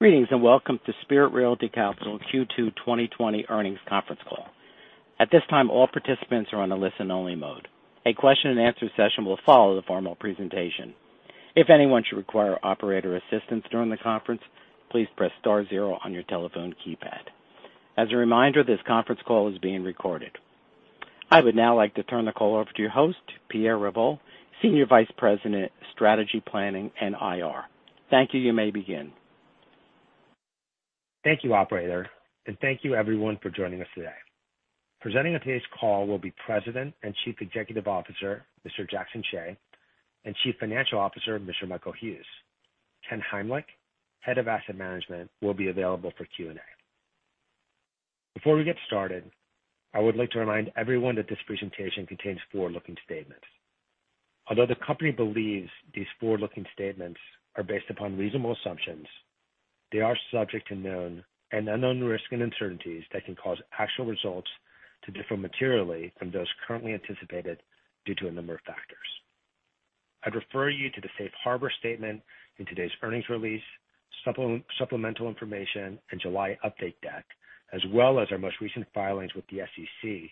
Greetings, welcome to Spirit Realty Capital Q2 2020 earnings conference call. At this time, all participants are on a listen only mode. A question and answer session will follow the formal presentation. If anyone should require operator assistance during the conference, please press star zero on your telephone keypad. As a reminder, this conference call is being recorded. I would now like to turn the call over to your host, Pierre Revol, Senior Vice President, Strategy, Planning, and IR. Thank you. You may begin. Thank you, operator, and thank you everyone for joining us today. Presenting on today's call will be President and Chief Executive Officer, Mr. Jackson Hsieh, and Chief Financial Officer, Mr. Michael Hughes. Ken Heimlich, Head of Asset Management, will be available for Q&A. Before we get started, I would like to remind everyone that this presentation contains forward-looking statements. Although the company believes these forward-looking statements are based upon reasonable assumptions, they are subject to known and unknown risks and uncertainties that can cause actual results to differ materially from those currently anticipated due to a number of factors. I'd refer you to the safe harbor statement in today's earnings release, supplemental information, and July update deck, as well as our most recent filings with the SEC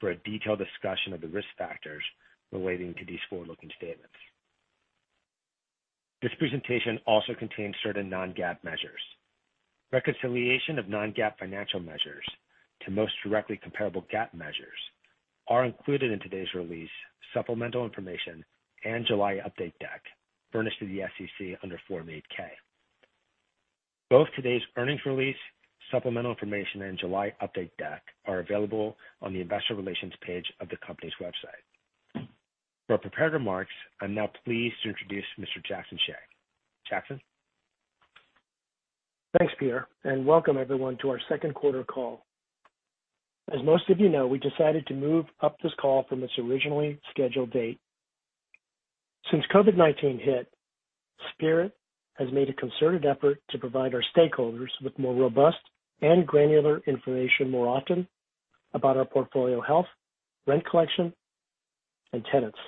for a detailed discussion of the risk factors relating to these forward-looking statements. This presentation also contains certain non-GAAP measures. Reconciliation of non-GAAP financial measures to most directly comparable GAAP measures are included in today's release, supplemental information, and July update deck furnished to the SEC under Form 8-K. Both today's earnings release, supplemental information, and July update deck are available on the investor relations page of the company's website. For prepared remarks, I'm now pleased to introduce Mr. Jackson Hsieh. Jackson? Thanks, Pierre, and welcome everyone to our second quarter call. As most of you know, we decided to move up this call from its originally scheduled date. Since COVID-19 hit, Spirit has made a concerted effort to provide our stakeholders with more robust and granular information more often about our portfolio health, rent collection, and tenants.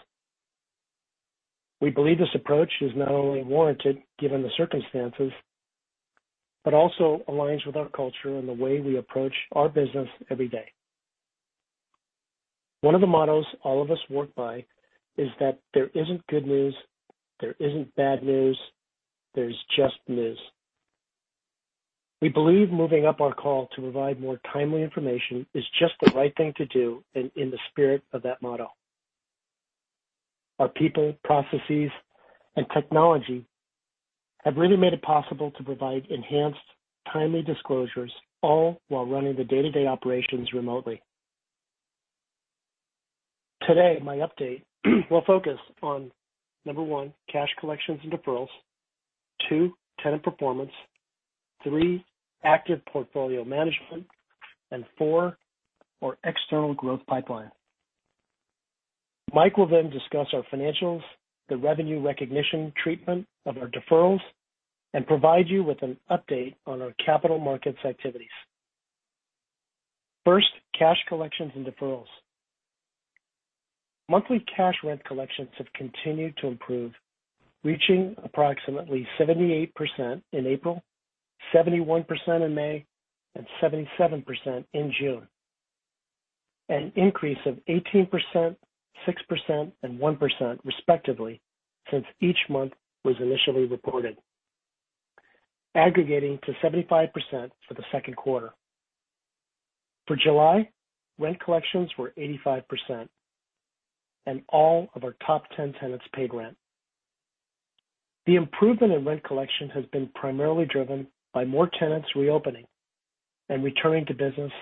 We believe this approach is not only warranted given the circumstances, but also aligns with our culture and the way we approach our business every day. One of the mottos all of us work by is that there isn't good news, there isn't bad news, there's just news. We believe moving up our call to provide more timely information is just the right thing to do and in the spirit of that motto. Our people, processes, and technology have really made it possible to provide enhanced, timely disclosures, all while running the day-to-day operations remotely. Today, my update will focus on, number one, cash collections and deferrals. Two, tenant performance. Three, active portfolio management. Four, our external growth pipeline. Mike will then discuss our financials, the revenue recognition treatment of our deferrals, and provide you with an update on our capital markets activities. First, cash collections and deferrals. Monthly cash rent collections have continued to improve, reaching approximately 78% in April, 71% in May, and 77% in June. An increase of 18%, 6%, and 1% respectively since each month was initially reported, aggregating to 75% for the second quarter. For July, rent collections were 85%, and all of our top 10 tenants paid rent. The improvement in rent collection has been primarily driven by more tenants reopening and returning to business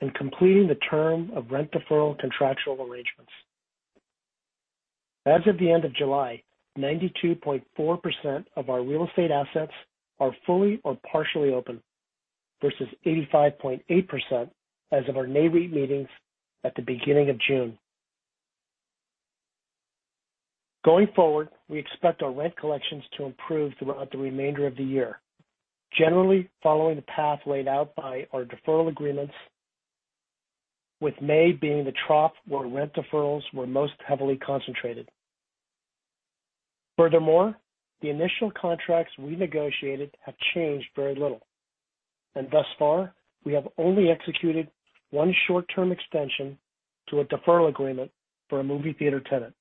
and completing the term of rent deferral contractual arrangements. As of the end of July, 92.4% of our real estate assets are fully or partially open versus 85.8% as of our Nareit meetings at the beginning of June. Going forward, we expect our rent collections to improve throughout the remainder of the year. Generally following the path laid out by our deferral agreements, with May being the trough where rent deferrals were most heavily concentrated. Furthermore, the initial contracts we negotiated have changed very little, and thus far, we have only executed one short-term extension to a deferral agreement for a movie theater tenant.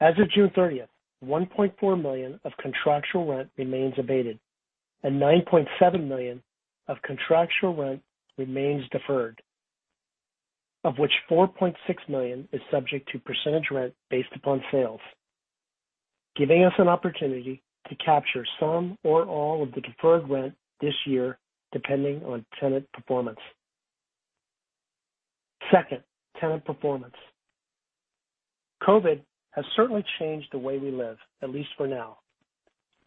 As of June 30th, $1.4 million of contractual rent remains abated and $9.7 million of contractual rent remains deferred. Of which $4.6 million is subject to percentage rent based upon sales, giving us an opportunity to capture some or all of the deferred rent this year depending on tenant performance. Second, tenant performance. COVID has certainly changed the way we live, at least for now,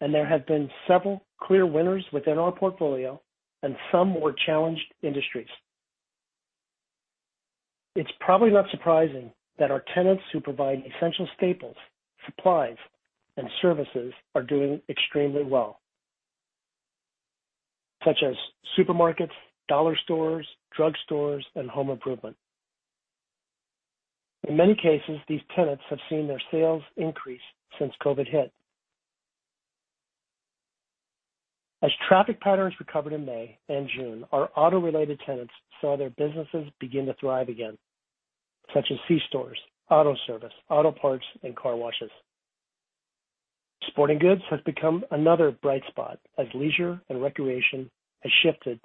and there have been several clear winners within our portfolio and some more challenged industries. It's probably not surprising that our tenants who provide essential staples, supplies, and services are doing extremely well. Such as supermarkets, dollar stores, drug stores, and home improvement. In many cases, these tenants have seen their sales increase since COVID hit. As traffic patterns recovered in May and June, our auto-related tenants saw their businesses begin to thrive again, such as C-stores, auto service, auto parts, and car washes. Sporting goods has become another bright spot as leisure and recreation has shifted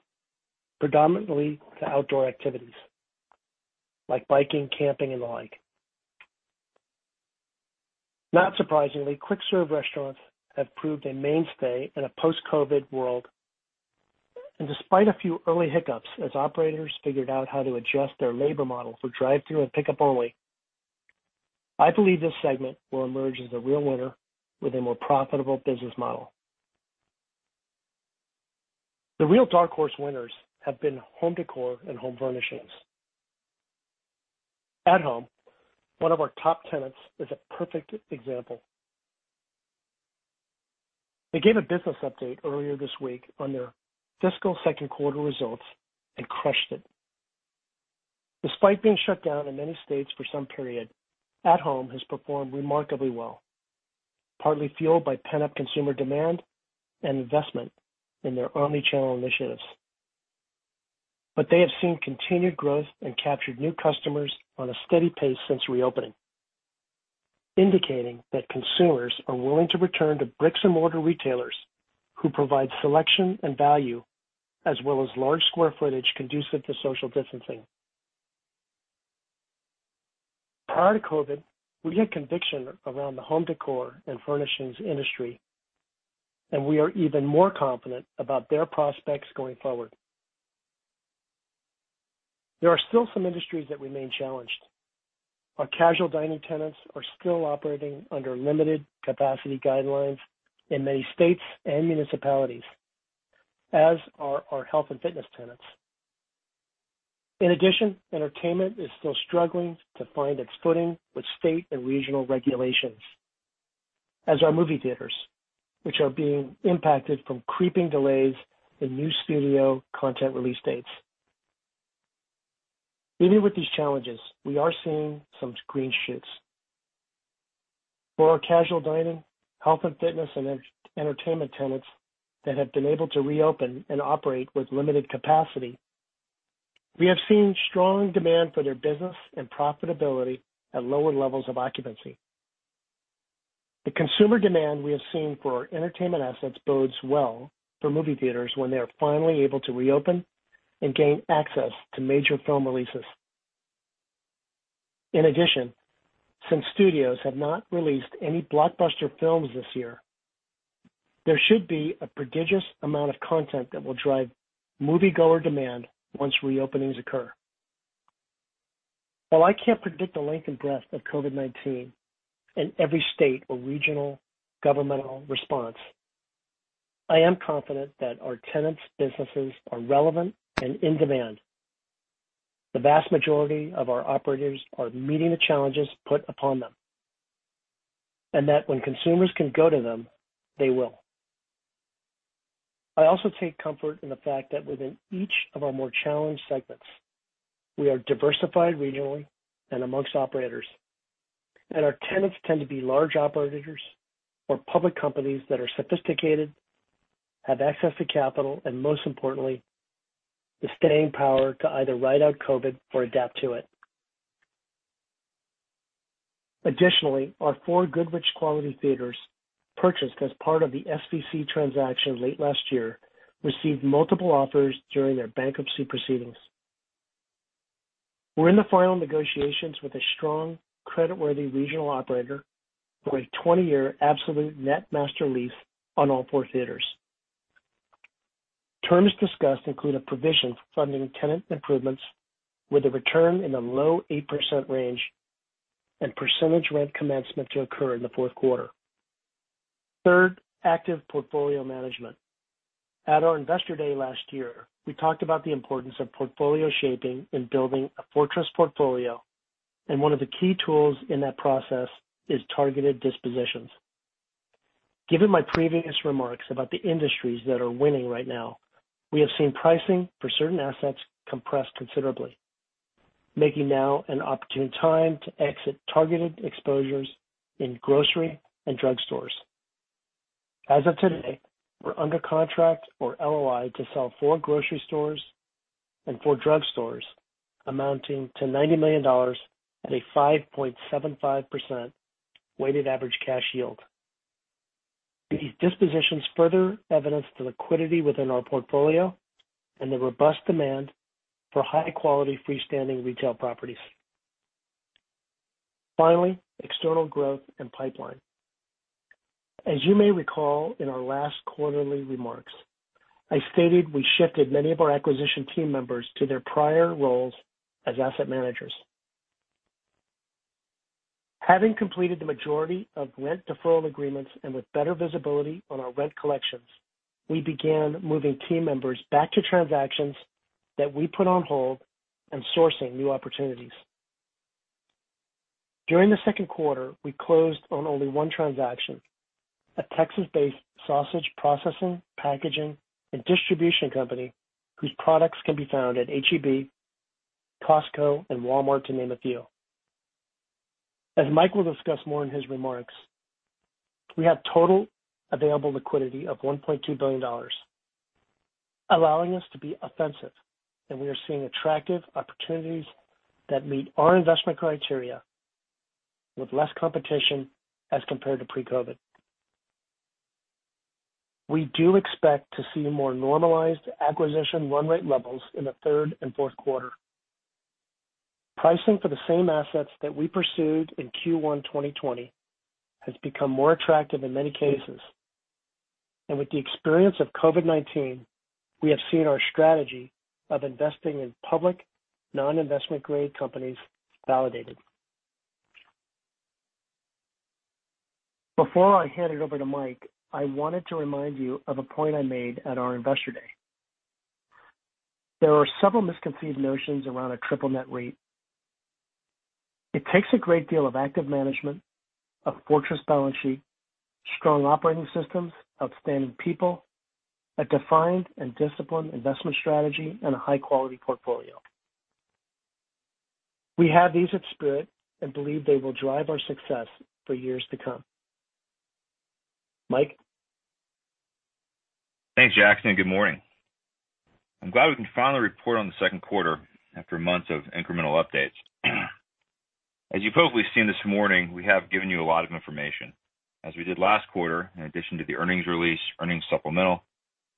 predominantly to outdoor activities like biking, camping, and the like. Not surprisingly, quick-serve restaurants have proved a mainstay in a post-COVID-19 world. Despite a few early hiccups as operators figured out how to adjust their labor model for drive-through and pickup only, I believe this segment will emerge as a real winner with a more profitable business model. The real dark horse winners have been home decor and home furnishings. At Home, one of our top tenants, is a perfect example. They gave a business update earlier this week on their fiscal second quarter results and crushed it. Despite being shut down in many states for some period, At Home has performed remarkably well, partly fueled by pent-up consumer demand and investment in their omnichannel initiatives. They have seen continued growth and captured new customers on a steady pace since reopening, indicating that consumers are willing to return to bricks-and-mortar retailers who provide selection and value, as well as large square footage conducive to social distancing. Prior to COVID, we had conviction around the home decor and furnishings industry, and we are even more confident about their prospects going forward. There are still some industries that remain challenged. Our casual dining tenants are still operating under limited capacity guidelines in many states and municipalities, as are our health and fitness tenants. In addition, entertainment is still struggling to find its footing with state and regional regulations. As are movie theaters, which are being impacted from creeping delays in new studio content release dates. Even with these challenges, we are seeing some green shoots. For our casual dining, health and fitness, and entertainment tenants that have been able to reopen and operate with limited capacity, we have seen strong demand for their business and profitability at lower levels of occupancy. The consumer demand we have seen for our entertainment assets bodes well for movie theaters when they are finally able to reopen and gain access to major film releases. In addition, since studios have not released any blockbuster films this year, there should be a prodigious amount of content that will drive moviegoer demand once reopenings occur. While I can't predict the length and breadth of COVID-19 in every state or regional governmental response, I am confident that our tenants' businesses are relevant and in demand. The vast majority of our operators are meeting the challenges put upon them, and that when consumers can go to them, they will. I also take comfort in the fact that within each of our more challenged segments, we are diversified regionally and amongst operators, and our tenants tend to be large operators or public companies that are sophisticated, have access to capital, and most importantly, the staying power to either ride out COVID or adapt to it. Additionally, our four Goodrich Quality Theatres, purchased as part of the SPC transaction late last year, received multiple offers during their bankruptcy proceedings. We're in the final negotiations with a strong creditworthy regional operator for a 20-year absolute net master lease on all four theaters. Terms discussed include a provision for funding tenant improvements with a return in the low 8% range and percentage rent commencement to occur in the fourth quarter. Third, active portfolio management. At our Investor Day last year, we talked about the importance of portfolio shaping in building a fortress portfolio. One of the key tools in that process is targeted dispositions. Given my previous remarks about the industries that are winning right now, we have seen pricing for certain assets compress considerably, making now an opportune time to exit targeted exposures in grocery and drug stores. As of today, we're under contract or LOI to sell four grocery stores and four drug stores amounting to $90 million at a 5.75% weighted average cash yield. These dispositions further evidence the liquidity within our portfolio and the robust demand for high-quality freestanding retail properties. Finally, external growth and pipeline. As you may recall in our last quarterly remarks, I stated we shifted many of our acquisition team members to their prior roles as asset managers. Having completed the majority of rent deferral agreements and with better visibility on our rent collections, we began moving team members back to transactions that we put on hold and sourcing new opportunities. During the second quarter, we closed on only one transaction, a Texas-based sausage processing, packaging, and distribution company whose products can be found at H-E-B, Costco, and Walmart, to name a few. As Mike will discuss more in his remarks, we have total available liquidity of $1.2 billion, allowing us to be offensive, and we are seeing attractive opportunities that meet our investment criteria with less competition as compared to pre-COVID. We do expect to see more normalized acquisition run rate levels in the third and fourth quarter. Pricing for the same assets that we pursued in Q1 2020 has become more attractive in many cases. With the experience of COVID-19, we have seen our strategy of investing in public, non-investment grade companies validated. Before I hand it over to Mike, I wanted to remind you of a point I made at our investor day. There are several misconceived notions around a triple net lease. It takes a great deal of active management, a fortress balance sheet, strong operating systems, outstanding people, a defined and disciplined investment strategy, and a high-quality portfolio. We have these at Spirit and believe they will drive our success for years to come. Mike? Thanks, Jackson, good morning. I'm glad we can finally report on the second quarter after months of incremental updates. As you've probably seen this morning, we have given you a lot of information. As we did last quarter, in addition to the earnings release, earnings supplemental,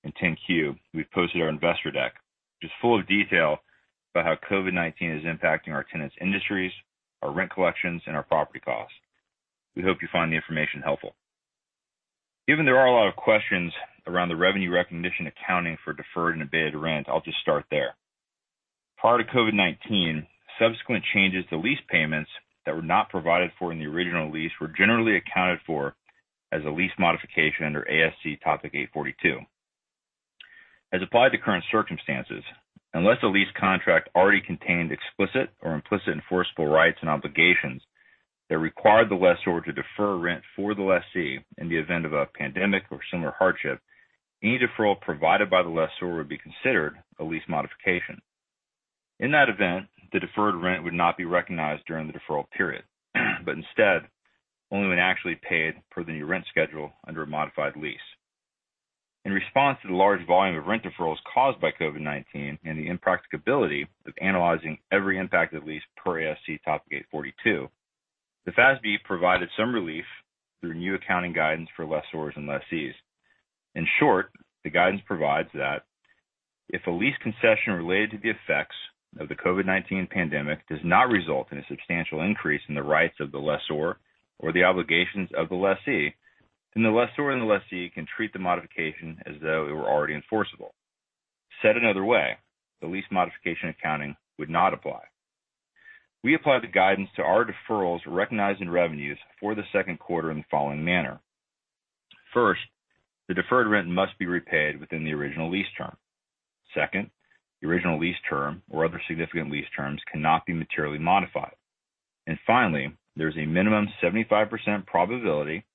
and 10-Q, we've posted our investor deck, which is full of detail about how COVID-19 is impacting our tenants' industries, our rent collections, and our property costs. We hope you find the information helpful. Given there are a lot of questions around the revenue recognition accounting for deferred and abated rent, I'll just start there. Prior to COVID-19, subsequent changes to lease payments that were not provided for in the original lease were generally accounted for as a lease modification under ASC Topic 842. As applied to current circumstances, unless a lease contract already contained explicit or implicit enforceable rights and obligations that required the lessor to defer rent for the lessee in the event of a pandemic or similar hardship, any deferral provided by the lessor would be considered a lease modification. In that event, the deferred rent would not be recognized during the deferral period, but instead only when actually paid per the new rent schedule under a modified lease. In response to the large volume of rent deferrals caused by COVID-19 and the impracticability of analyzing every impacted lease per ASC Topic 842, the FASB provided some relief through new accounting guidance for lessors and lessees. In short, the guidance provides that if a lease concession related to the effects of the COVID-19 pandemic does not result in a substantial increase in the rights of the lessor or the obligations of the lessee, then the lessor and the lessee can treat the modification as though it were already enforceable. Said another way, the lease modification accounting would not apply. We applied the guidance to our deferrals recognized in revenues for the second quarter in the following manner. First, the deferred rent must be repaid within the original lease term. Second, the original lease term or other significant lease terms cannot be materially modified. Finally, there's a minimum 75% probability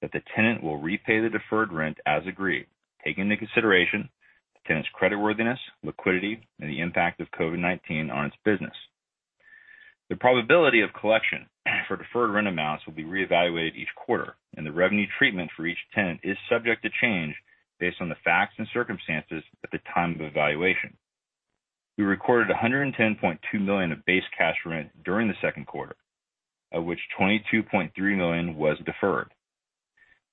that the tenant will repay the deferred rent as agreed, taking into consideration the tenant's creditworthiness, liquidity, and the impact of COVID-19 on its business. The probability of collection for deferred rent amounts will be reevaluated each quarter, and the revenue treatment for each tenant is subject to change based on the facts and circumstances at the time of evaluation. We recorded $110.2 million of base cash rent during the second quarter, of which $22.3 million was deferred.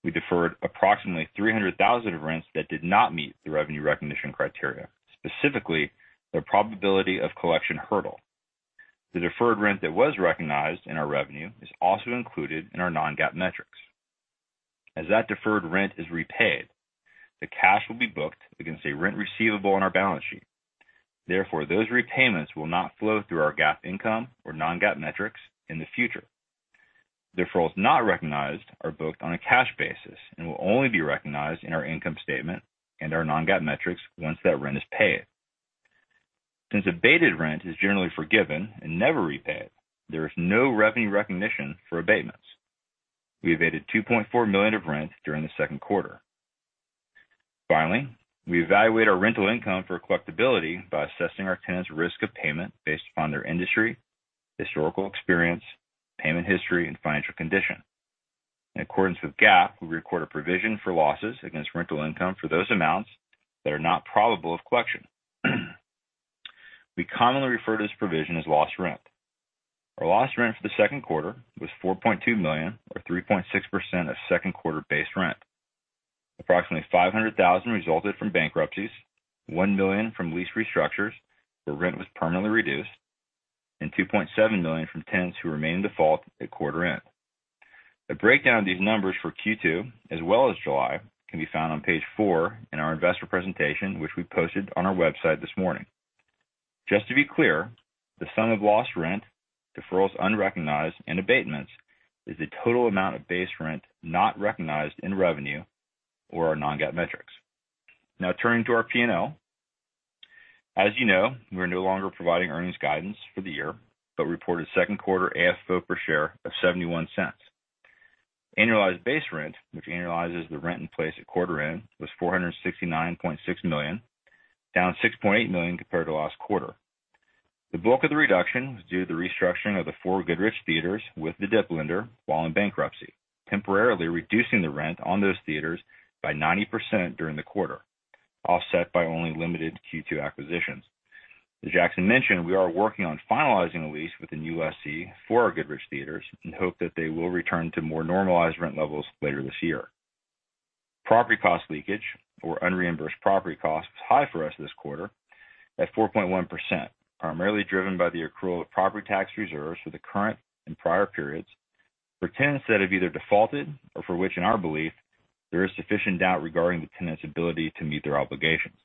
We deferred approximately $300,000 of rents that did not meet the revenue recognition criteria, specifically the probability of collection hurdle. The deferred rent that was recognized in our revenue is also included in our non-GAAP metrics. As that deferred rent is repaid, the cash will be booked against a rent receivable on our balance sheet. Therefore, those repayments will not flow through our GAAP income or non-GAAP metrics in the future. Deferrals not recognized are booked on a cash basis and will only be recognized in our income statement and our non-GAAP metrics once that rent is paid. Since abated rent is generally forgiven and never repaid, there is no revenue recognition for abatements. We abated $2.4 million of rent during the second quarter. Finally, we evaluate our rental income for collectibility by assessing our tenants' risk of payment based upon their industry, historical experience, payment history, and financial condition. In accordance with GAAP, we record a provision for losses against rental income for those amounts that are not probable of collection. We commonly refer to this provision as lost rent. Our lost rent for the second quarter was $4.2 million, or 3.6% of second quarter base rent. Approximately $500,000 resulted from bankruptcies, $1 million from lease restructures where rent was permanently reduced, and $2.7 million from tenants who remained in default at quarter end. A breakdown of these numbers for Q2, as well as July, can be found on page four in our investor presentation, which we posted on our website this morning. Just to be clear, the sum of lost rent, deferrals unrecognized, and abatements is the total amount of base rent not recognized in revenue or our non-GAAP metrics. Now turning to our P&L. As you know, we are no longer providing earnings guidance for the year, but reported second quarter AFFO per share of $0.71. Annualized base rent, which annualizes the rent in place at quarter end, was $469.6 million, down $6.8 million compared to last quarter. The bulk of the reduction was due to the restructuring of the four Goodrich theaters with the dip lender while in bankruptcy, temporarily reducing the rent on those theaters by 90% during the quarter, offset by only limited Q2 acquisitions. As Jackson mentioned, we are working on finalizing a lease within new U.S.C. for our Goodrich theaters and hope that they will return to more normalized rent levels later this year. Property cost leakage or unreimbursed property costs was high for us this quarter at 4.1%, primarily driven by the accrual of property tax reserves for the current and prior periods for tenants that have either defaulted or for which, in our belief, there is sufficient doubt regarding the tenant's ability to meet their obligations.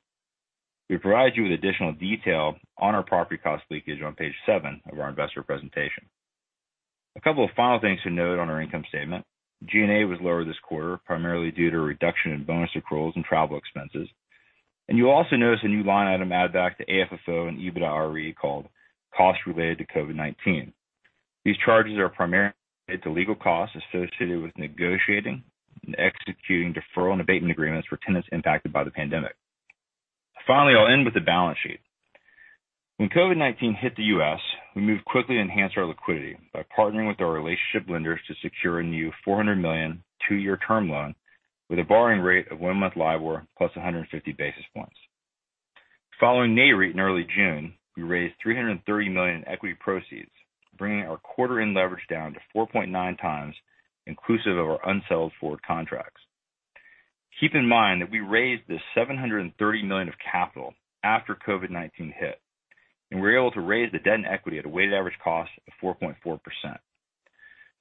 We provide you with additional detail on our property cost leakage on page seven of our investor presentation. A couple of final things to note on our income statement. G&A was lower this quarter, primarily due to a reduction in bonus accruals and travel expenses. You'll also notice a new line item add back to AFFO and EBITDAre called costs related to COVID-19. These charges are primarily related to legal costs associated with negotiating and executing deferral and abatement agreements for tenants impacted by the pandemic. Finally, I'll end with the balance sheet. When COVID-19 hit the U.S., we moved quickly to enhance our liquidity by partnering with our relationship lenders to secure a new $400 million two-year term loan with a borrowing rate of one-month LIBOR plus 150 basis points. Following Nareit in early June, we raised $330 million in equity proceeds, bringing our quarter-end leverage down to 4.9 times inclusive of our unsold forward contracts. Keep in mind that we raised this $730 million of capital after COVID-19 hit. We were able to raise the debt and equity at a weighted average cost of 4.4%.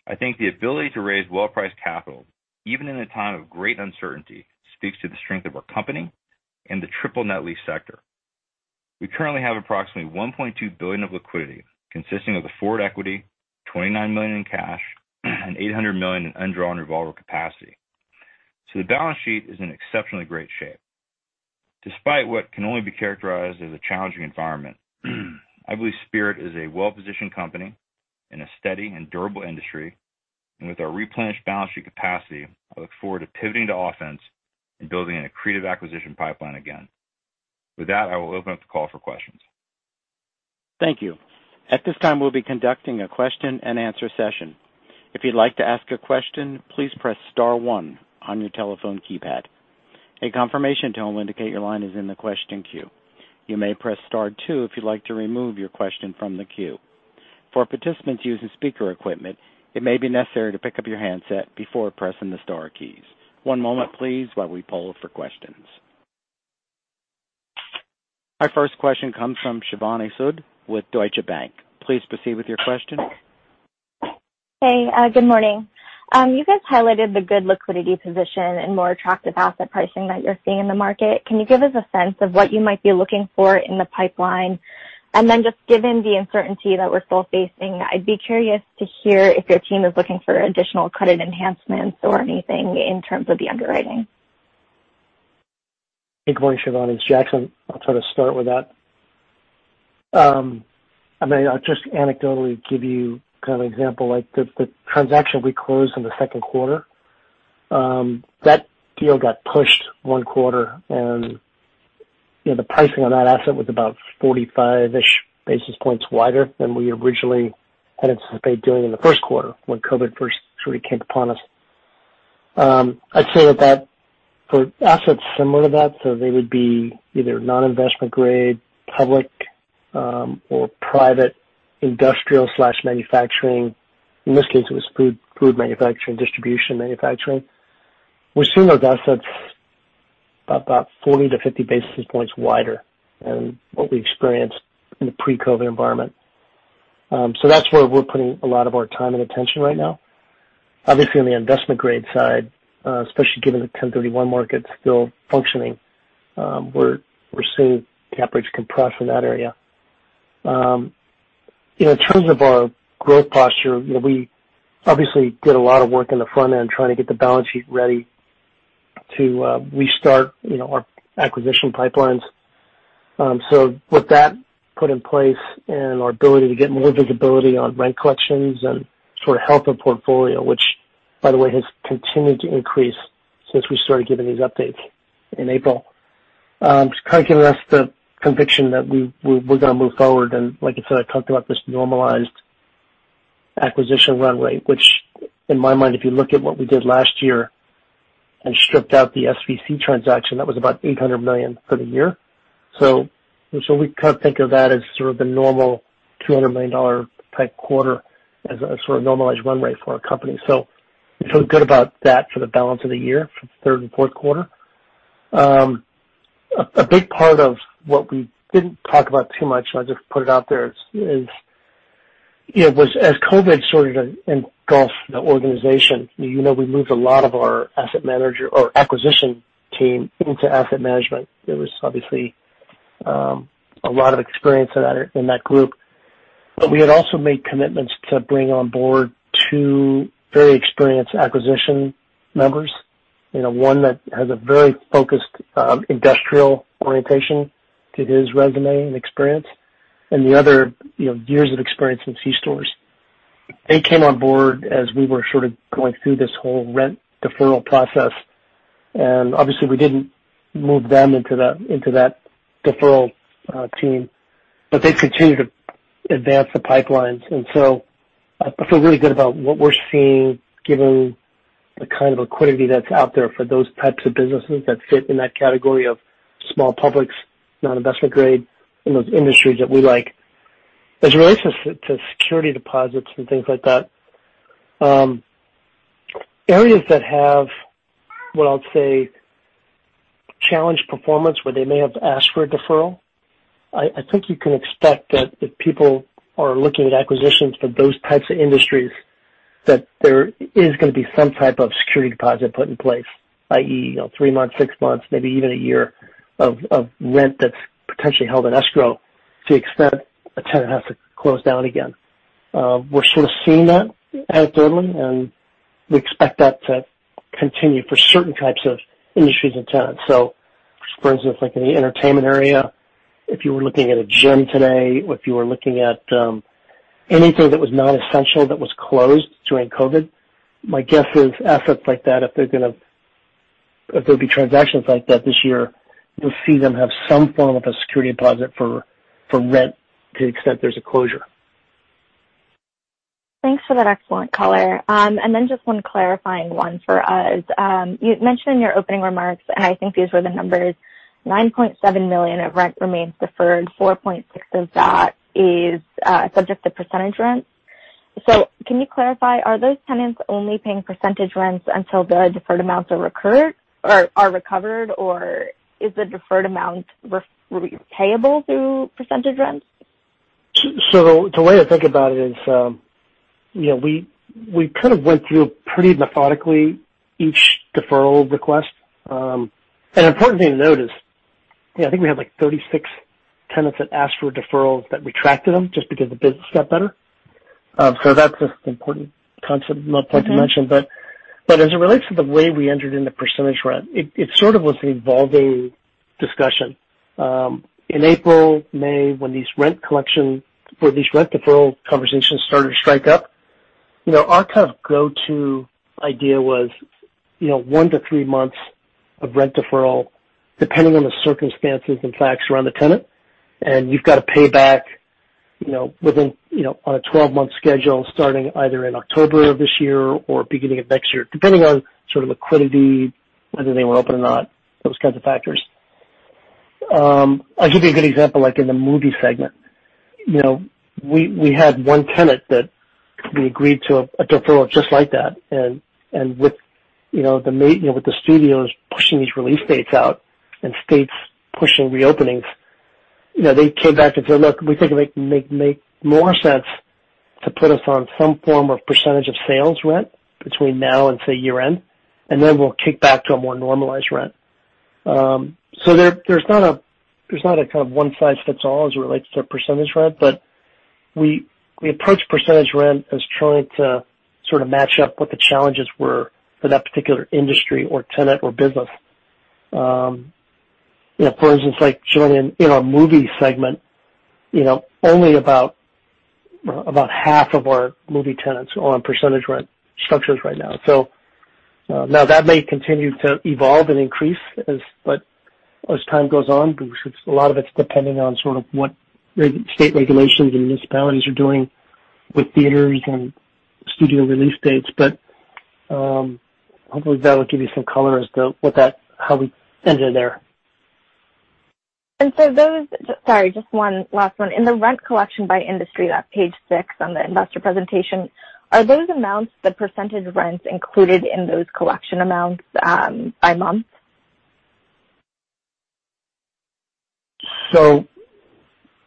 I think the ability to raise well-priced capital, even in a time of great uncertainty, speaks to the strength of our company and the triple net lease sector. We currently have approximately $1.2 billion of liquidity, consisting of the forward equity, $29 million in cash, and $800 million in undrawn revolver capacity. The balance sheet is in exceptionally great shape. Despite what can only be characterized as a challenging environment, I believe Spirit is a well-positioned company in a steady and durable industry. With our replenished balance sheet capacity, I look forward to pivoting to offense and building an accretive acquisition pipeline again. With that, I will open up the call for questions. Thank you. At this time, we'll be conducting a question and answer session. If you'd like to ask a question, please press star one on your telephone keypad. A confirmation tone will indicate your line is in the question queue. You may press star two if you'd like to remove your question from the queue. For participants using speaker equipment, it may be necessary to pick up your handset before pressing the star keys. One moment, please, while we poll for questions. Our first question comes from Shivani Sood with Deutsche Bank. Please proceed with your question. Hey, good morning. You guys highlighted the good liquidity position and more attractive asset pricing that you're seeing in the market. Can you give us a sense of what you might be looking for in the pipeline? Just given the uncertainty that we're still facing, I'd be curious to hear if your team is looking for additional credit enhancements or anything in terms of the underwriting. Good morning, Shivani. It's Jackson. I'll try to start with that. I may just anecdotally give you kind of an example, like the transaction we closed in the second quarter. That deal got pushed one quarter and the pricing on that asset was about 45-ish basis points wider than we originally had anticipated doing in the first quarter when COVID-19 first sort of came upon us. I'd say that for assets similar to that, so they would be either non-investment grade, public or private industrial/manufacturing. In this case, it was food manufacturing, distribution manufacturing. We're seeing those assets about 40-50 basis points wider than what we experienced in the pre-COVID-19 environment. That's where we're putting a lot of our time and attention right now. Obviously, on the investment grade side, especially given the Section 1031 market still functioning, we're seeing cap rates compress in that area. In terms of our growth posture, we obviously did a lot of work on the front end trying to get the balance sheet ready to restart our acquisition pipelines. With that put in place and our ability to get more visibility on rent collections and sort of health of portfolio, which by the way, has continued to increase since we started giving these updates in April, kind of giving us the conviction that we're going to move forward. Like I said, I talked about this normalized acquisition runway, which in my mind, if you look at what we did last year and stripped out the SVC transaction, that was about $800 million for the year. We kind of think of that as sort of the normal $200 million type quarter as a sort of normalized runway for our company. We feel good about that for the balance of the year, for the third and fourth quarter. A big part of what we didn't talk about too much, and I'll just put it out there is, as COVID started to engulf the organization, we moved a lot of our asset manager or acquisition team into asset management. There was obviously a lot of experience in that group. We had also made commitments to bring on board two very experienced acquisition members. One that has a very focused industrial orientation to his resume and experience, and the other, years of experience in C-stores. They came on board as we were sort of going through this whole rent deferral process, and obviously we didn't move them into that deferral team, but they continued to advance the pipelines. I feel really good about what we're seeing, given the kind of liquidity that's out there for those types of businesses that fit in that category of small publics, non-investment grade, in those industries that we like. As it relates to security deposits and things like that, areas that have, what I'll say, challenged performance, where they may have asked for a deferral, I think you can expect that if people are looking at acquisitions for those types of industries, that there is going to be some type of security deposit put in place, i.e., three months, six months, maybe even a year of rent that's potentially held in escrow to the extent a tenant has to close down again. We're sort of seeing that at Dirdleman, we expect that to continue for certain types of industries and tenants. For instance, like in the entertainment area, if you were looking at a gym today, if you were looking at anything that was non-essential that was closed during COVID, my guess is assets like that, if there'll be transactions like that this year, you'll see them have some form of a security deposit for rent to the extent there's a closure. Thanks for that excellent color. Then just one clarifying one for us. You mentioned in your opening remarks, and I think these were the numbers, $9.7 million of rent remains deferred, $4.6 of that is subject to percentage rents. Can you clarify, are those tenants only paying percentage rents until the deferred amounts are recovered, or is the deferred amount payable through percentage rents? The way to think about it is, we kind of went through pretty methodically each deferral request. An important thing to note is, I think we have 36 tenants that asked for deferrals that retracted them just because the business got better. That's just an important concept, point to mention. As it relates to the way we entered into percentage rent, it sort of was an evolving discussion. In April, May, when these rent collection, or these rent deferral conversations started to strike up, our kind of go-to idea was one to three months of rent deferral, depending on the circumstances and facts around the tenant. You've got to pay back within a 12-month schedule starting either in October of this year or beginning of next year, depending on sort of liquidity, whether they were open or not, those kinds of factors. I'll give you a good example, like in the movie segment. We had one tenant that we agreed to a deferral just like that. With the studios pushing these release dates out and states pushing reopenings, they came back and said, "Look, we think it make more sense to put us on some form of percentage of sales rent between now and, say, year-end, and then we'll kick back to a more normalized rent." There's not a kind of one size fits all as it relates to percentage rent, but we approach percentage rent as trying to sort of match up what the challenges were for that particular industry or tenant or business. For instance, like Jillian, in our movie segment, only about half of our movie tenants are on percentage rent structures right now. Now that may continue to evolve and increase as time goes on. A lot of it's depending on sort of what state regulations and municipalities are doing with theaters and studio release dates. Hopefully that will give you some color as to how we enter there. Those. Sorry, just one last one. In the rent collection by industry, that's page six on the investor presentation. Are those amounts the percentage rents included in those collection amounts by month?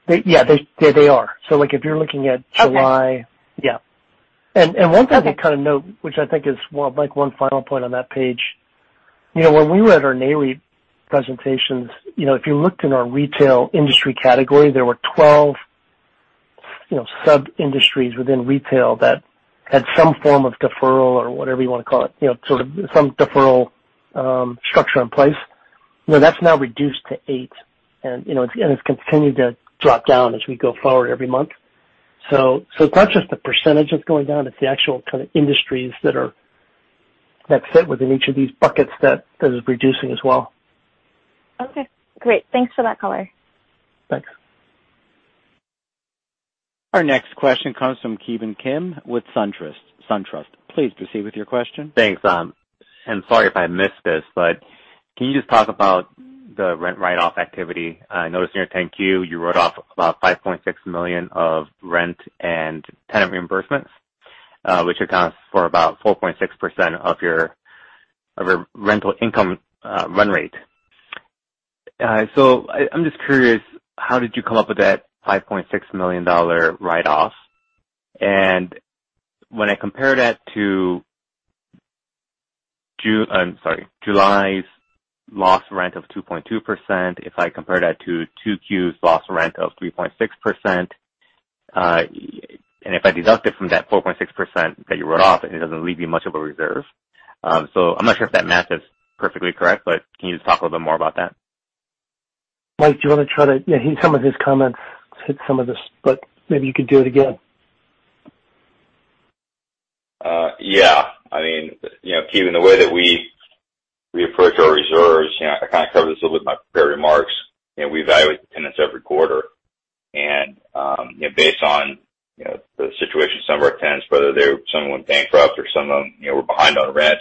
Yeah, they are. Like if you're looking at July. Okay. Yeah. Okay. To kind of note, which I think is like one final point on that page. When we were at our NAREIT presentations, if you looked in our retail industry category, there were 12 sub-industries within retail that had some form of deferral or whatever you want to call it, sort of some deferral structure in place. It's now reduced to eight, and it's continued to drop down as we go forward every month. It's not just the % that's going down, it's the actual kind of industries that fit within each of these buckets that is reducing as well. Okay, great. Thanks for that color. Thanks. Our next question comes from Kevin Kim with SunTrust. Please proceed with your question. Thanks. Sorry if I missed this, but can you just talk about the rent write-off activity? I noticed in your 10-Q, you wrote off about $5.6 million of rent and tenant reimbursements, which accounts for about 4.6% of your rental income run rate. I'm just curious, how did you come up with that $5.6 million write-off? When I compare that to July's lost rent of 2.2%, if I compare that to 2Q's lost rent of 3.6%, and if I deduct it from that 4.6% that you wrote off, it doesn't leave you much of a reserve. I'm not sure if that math is perfectly correct, but can you just talk a little bit more about that? Mike, do you want to try? Some of his comments hit some of this, but maybe you could do it again. Yeah. Kevin, the way that we approach our reserves, I kind of covered this a little in my prepared remarks. Based on the situation of some of our tenants, whether some of them went bankrupt or some of them were behind on rent,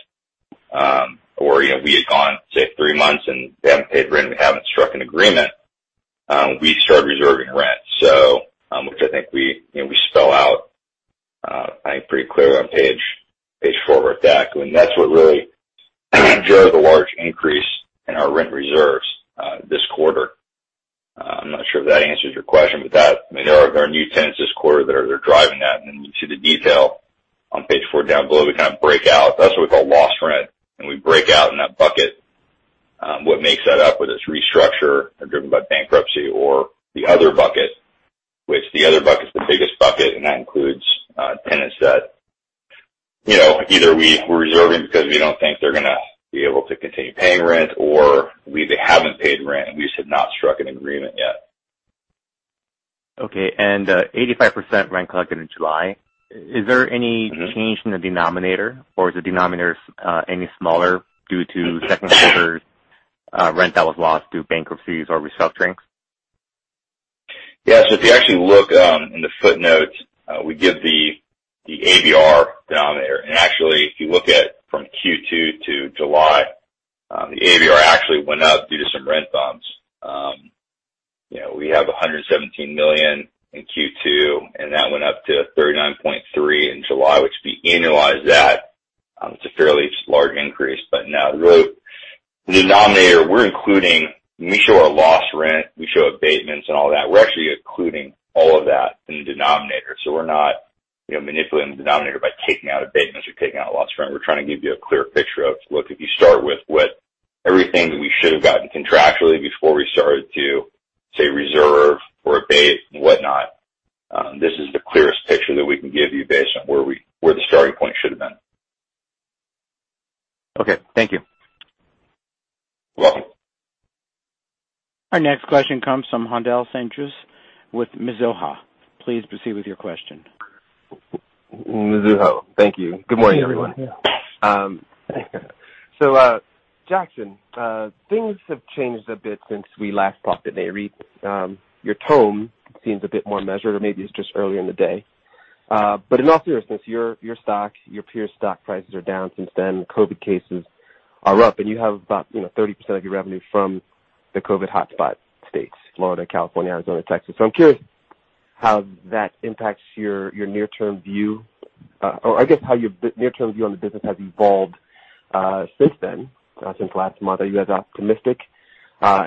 or we had gone, say, three months and they haven't paid rent and we haven't struck an agreement, we start reserving rent. Which I think we spell out, I think, pretty clearly on page four of our deck. That's what really drove the large increase in our rent reserves this quarter. I'm not sure if that answers your question. There are new tenants this quarter that are driving that, when you see the detail on page four, down below, we kind of break out. That's what we call lost rent, and we break out in that bucket, what makes that up, whether it's restructure or driven by bankruptcy or the other bucket. Which the other bucket is the biggest bucket, and that includes tenants that either we're reserving because we don't think they're going to be able to continue paying rent, or they haven't paid rent, and we just have not struck an agreement yet. Okay. 85% rent collected in July. Is there any change in the denominator, or is the denominator any smaller due to second quarter rent that was lost due to bankruptcies or restructurings? Yeah. If you actually look in the footnotes, we give the ABR denominator. Actually, if you look at from Q2 to July, the ABR actually went up due to some rent bumps. We have $117 million in Q2, and that went up to $39.3 in July, which if we annualize that, it's a fairly large increase. No, really, the denominator we're including when we show our lost rent, we show abatements and all that. We're actually including all of that in the denominator. We're not manipulating the denominator by taking out abatements or taking out a lost rent. We're trying to give you a clear picture of, look, if you start with everything that we should have gotten contractually before we started to, say, reserve or abate and whatnot, this is the clearest picture that we can give you based on where the starting point should have been. Okay. Thank you. You're welcome. Our next question comes from Haendel St. Juste with Mizuho. Please proceed with your question. Mizuho. Thank you. Good morning, everyone. Jackson, things have changed a bit since we last talked in May. Your tone seems a bit more measured, or maybe it's just early in the day. In all seriousness, your stock, your peer stock prices are down since then. COVID cases are up, and you have about 30% of your revenue from the COVID hotspot states, Florida, California, Arizona, Texas. I'm curious how that impacts your near-term view, or I guess how your near-term view on the business has evolved since then, since last month. Are you guys optimistic? How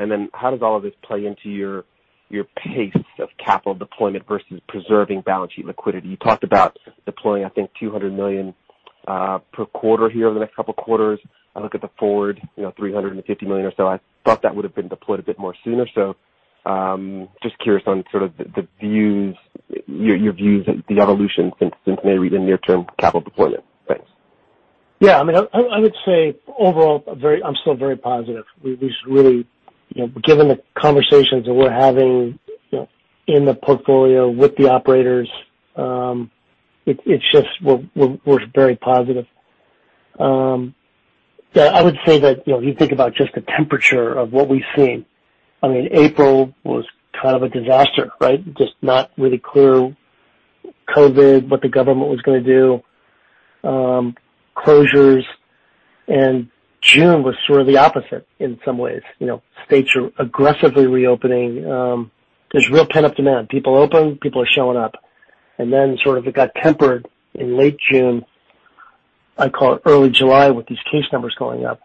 does all of this play into your pace of capital deployment versus preserving balance sheet liquidity? You talked about deploying, I think, $200 million per quarter here over the next couple of quarters. I look at the forward $350 million or so. I thought that would have been deployed a bit more sooner. Just curious on sort of your views and the evolution since May, or even near-term capital deployment. Thanks. Yeah. I would say overall, I'm still very positive. Given the conversations that we're having in the portfolio with the operators, we're very positive. I would say that if you think about just the temperature of what we've seen, April was kind of a disaster, right? Just not really clear COVID, what the government was going to do, closures. June was sort of the opposite in some ways. States are aggressively reopening. There's real pent-up demand. People open, people are showing up. Sort of it got tempered in late June, I'd call it early July, with these case numbers going up.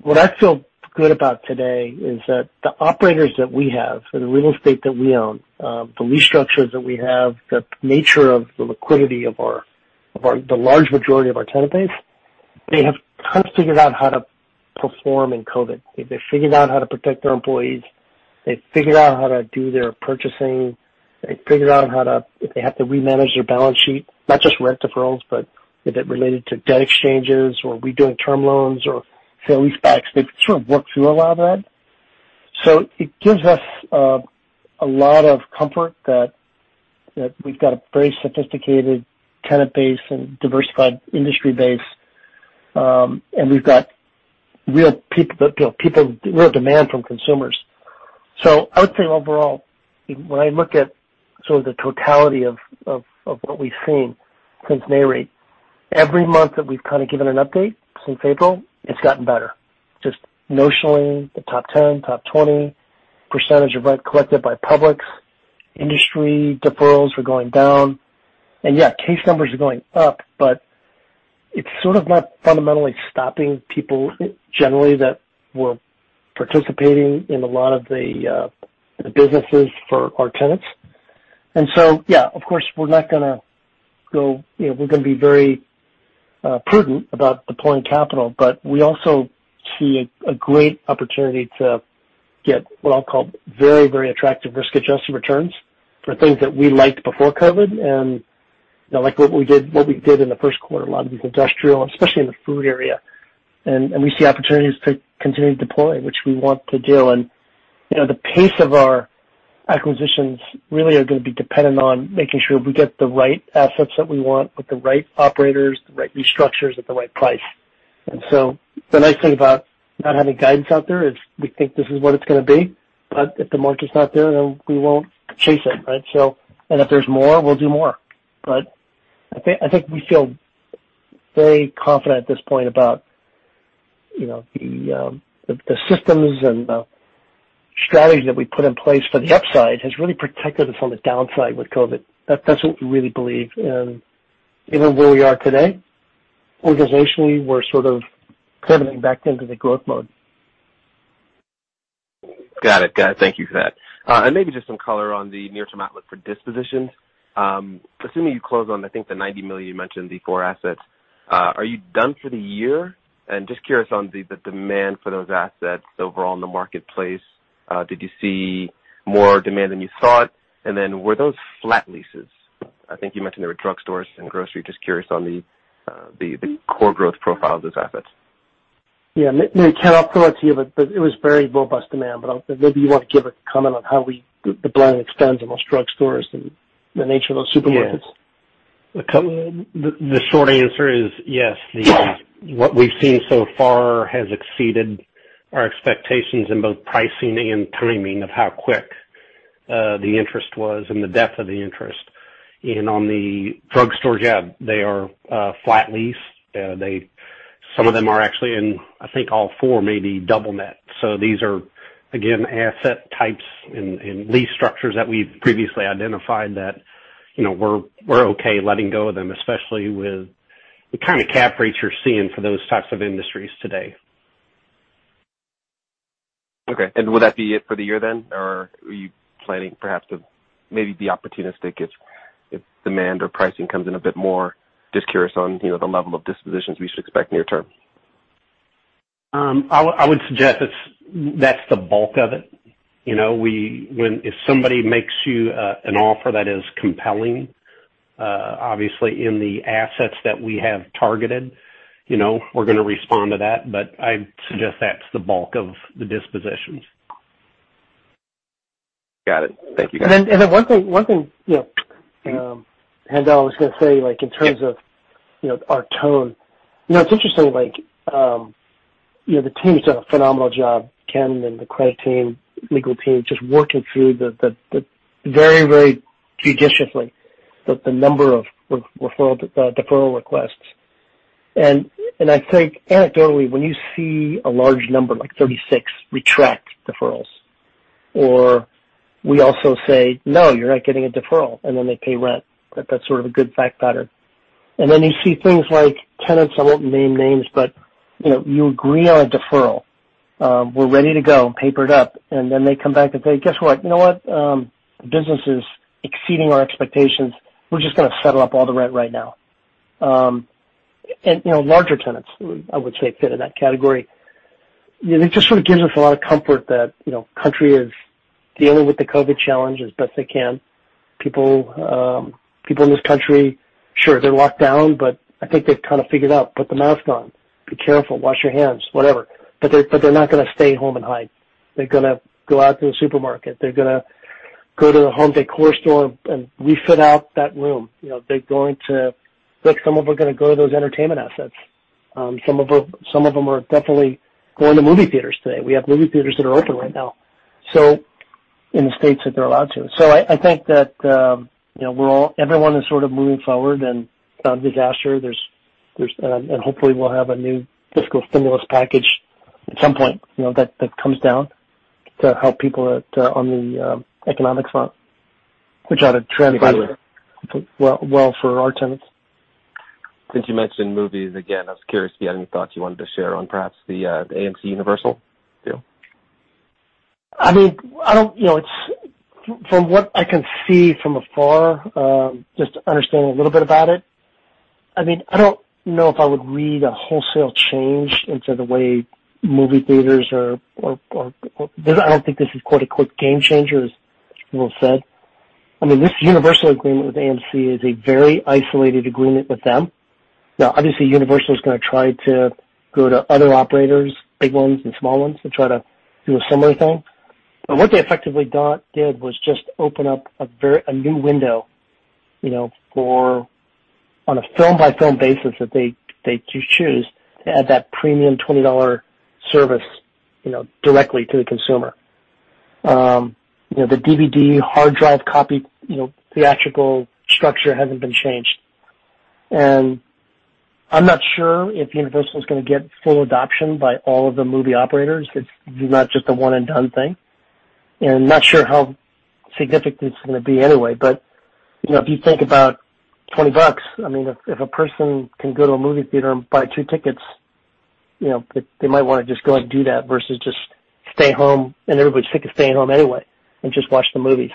What I feel good about today is that the operators that we have for the real estate that we own, the lease structures that we have, the nature of the liquidity of the large majority of our tenant base, they have kind of figured out how to perform in COVID. They've figured out how to protect their employees. They've figured out how to do their purchasing. They've figured out if they have to re-manage their balance sheet, not just rent deferrals, but if it related to debt exchanges or redoing term loans or sale-leasebacks. They've sort of worked through a lot of that. It gives us a lot of comfort that we've got a very sophisticated tenant base and diversified industry base, and we've got real demand from consumers. I would say overall, when I look at sort of the totality of what we've seen since May rate, every month that we've kind of given an update since April, it's gotten better. Just notionally, the top 10, top 20% of rent collected by Publix, industry deferrals were going down. Yeah, case numbers are going up, but it's sort of not fundamentally stopping people generally that were participating in a lot of the businesses for our tenants. Yeah, of course, we're going to be very prudent about deploying capital. We also see a great opportunity to get what I'll call very, very attractive risk-adjusted returns for things that we liked before COVID-19 and like what we did in the first quarter, a lot of these industrial, especially in the food area. We see opportunities to continue to deploy, which we want to do. The pace of our acquisitions really are going to be dependent on making sure we get the right assets that we want with the right operators, the right restructures at the right price. The nice thing about not having guidance out there is we think this is what it's going to be. If the market's not there, then we won't chase it, right? If there's more, we'll do more. I think we feel very confident at this point about the systems and the strategies that we put in place for the upside has really protected us on the downside with COVID. That's what we really believe. Where we are today, organizationally, we're sort of pivoting back into the growth mode. Got it. Thank you for that. Maybe just some color on the near-term outlook for dispositions. Assuming you close on, I think, the $90 million you mentioned, the four assets, are you done for the year? Just curious on the demand for those assets overall in the marketplace. Did you see more demand than you thought? Were those flat leases? I think you mentioned they were drugstores and grocery. Just curious on the core growth profile of those assets. Ken, I'll throw it to you. It was very robust demand. Maybe you want to give a comment on how the blend extends amongst drugstores and the nature of those supermarkets. Yeah. The short answer is yes. Yeah. What we've seen so far has exceeded our expectations in both pricing and timing of how quick the interest was and the depth of the interest. On the drugstore, yeah, they are flat lease. Some of them are actually in, I think all four may be double net. These are, again, asset types and lease structures that we've previously identified that we're okay letting go of them, especially with the kind of cap rates you're seeing for those types of industries today. Okay. Will that be it for the year then? Are you planning perhaps to maybe be opportunistic if demand or pricing comes in a bit more? Just curious on the level of dispositions we should expect near term. I would suggest that's the bulk of it. If somebody makes you an offer that is compelling, obviously in the assets that we have targeted, we're going to respond to that. I suggest that's the bulk of the dispositions. Got it. Thank you, guys. One thing, Haendel, I was going to say, like, in terms of our tone. It's interesting, the team's done a phenomenal job, Ken and the credit team, legal team, just working through very, very judiciously the number of referral, deferral requests. I think anecdotally, when you see a large number, like 36 retract deferrals, or we also say, "No, you're not getting a deferral," and then they pay rent. That's sort of a good fact pattern. You see things like tenants, I won't name names, but you agree on a deferral. We're ready to go, paper it up, and then they come back and say, "Guess what? You know what? The business is exceeding our expectations. We're just going to settle up all the rent right now." Larger tenants, I would say, fit in that category. It just sort of gives us a lot of comfort that country is dealing with the COVID-19 challenge as best they can. People in this country, sure, they're locked down, I think they've kind of figured out, put the mask on, be careful, wash your hands, whatever. They're not going to stay home and hide. They're going to go out to the supermarket. They're going to go to The Home Depot store and refit out that room. Look, some of them are going to go to those entertainment assets. Some of them are definitely going to movie theaters today. We have movie theaters that are open right now in the states that they're allowed to. I think that everyone is sort of moving forward and it's not a disaster. Hopefully we'll have a new fiscal stimulus package at some point that comes down to help people on the economic front, which ought to translate. Absolutely. Well for our tenants. Since you mentioned movies again, I was curious if you had any thoughts you wanted to share on perhaps the AMC Universal deal? From what I can see from afar, just understanding a little bit about it, I don't know if I would read a wholesale change into the way movie theaters are. I don't think this is a quote unquote "game changer," as people have said. This Universal agreement with AMC is a very isolated agreement with them. Obviously, Universal's going to try to go to other operators, big ones and small ones, to try to do a similar thing. What they effectively did was just open up a new window for on a film-by-film basis that they choose to add that premium $20 service directly to the consumer. The DVD hard drive copy theatrical structure hasn't been changed. I'm not sure if Universal's going to get full adoption by all of the movie operators. It's not just a one and done thing. I'm not sure how significant this is going to be anyway. If you think about $20, if a person can go to a movie theater and buy two tickets. They might want to just go and do that versus just stay home and everybody's sick of staying home anyway and just watch the movie.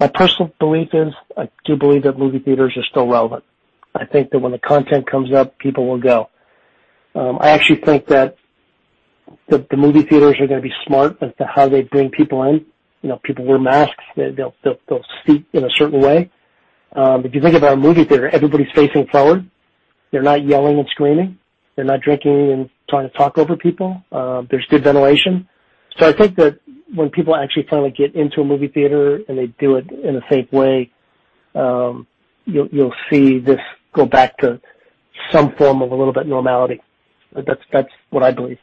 My personal belief is, I do believe that movie theaters are still relevant. I think that when the content comes up, people will go. I actually think that the movie theaters are going to be smart as to how they bring people in. People wear masks. They'll seat in a certain way. If you think about a movie theater, everybody's facing forward. They're not yelling and screaming. They're not drinking and trying to talk over people. There's good ventilation. I think that when people actually finally get into a movie theater and they do it in a safe way, you'll see this go back to some form of a little bit normality. That's what I believe.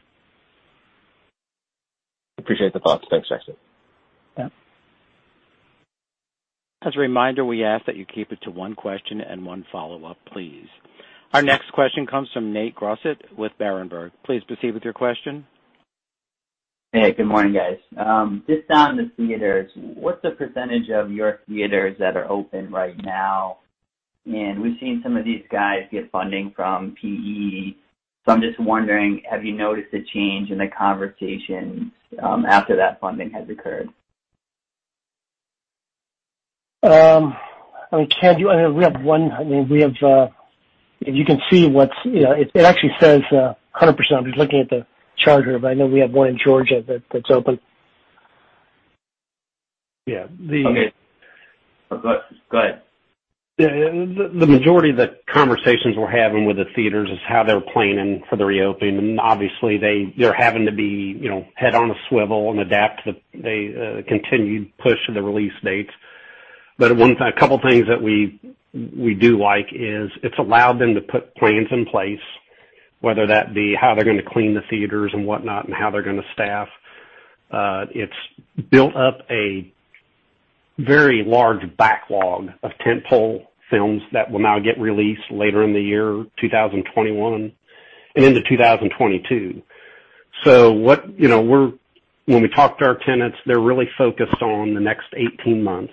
Appreciate the thoughts. Thanks, Jackson. Yeah. As a reminder, we ask that you keep it to one question and one follow-up, please. Our next question comes from Nathaniel Crossett with Berenberg. Please proceed with your question. Hey, good morning, guys. Just on the theaters, what's the percentage of your theaters that are open right now? We've seen some of these guys get funding from PE. I'm just wondering, have you noticed a change in the conversations after that funding has occurred? I mean, if you can see, it actually says 100%. I'm just looking at the charter, but I know we have one in Georgia that's open. Yeah. Okay. Go ahead. Yeah. The majority of the conversations we're having with the theaters is how they're planning for the reopening, obviously they're having to be head on a swivel and adapt to the continued push of the release dates. A couple things that we do like is it's allowed them to put plans in place, whether that be how they're going to clean the theaters and whatnot, and how they're going to staff. It's built up a very large backlog of tent-pole films that will now get released later in the year, 2021 and into 2022. When we talk to our tenants, they're really focused on the next 18 months.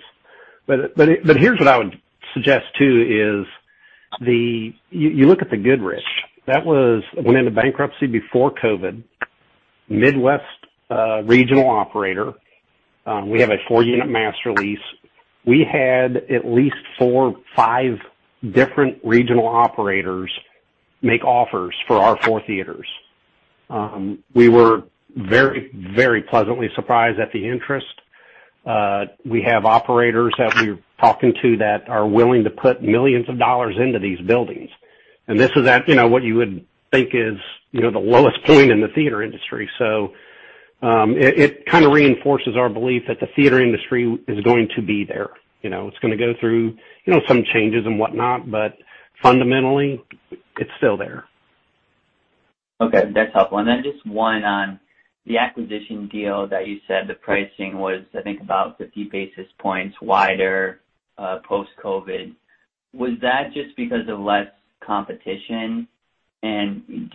Here's what I would suggest, too, is you look at the Goodrich. That went into bankruptcy before COVID. Midwest regional operator. We have a four-unit master lease. We had at least four, five different regional operators make offers for our four theaters. We were very pleasantly surprised at the interest. We have operators that we're talking to that are willing to put millions of dollars into these buildings. This is at what you would think is the lowest point in the theater industry. It kind of reinforces our belief that the theater industry is going to be there. It's going to go through some changes and whatnot, fundamentally, it's still there. Okay. That's helpful. Just one on the acquisition deal that you said the pricing was, I think, about 50 basis points wider, post-COVID. Was that just because of less competition? Do you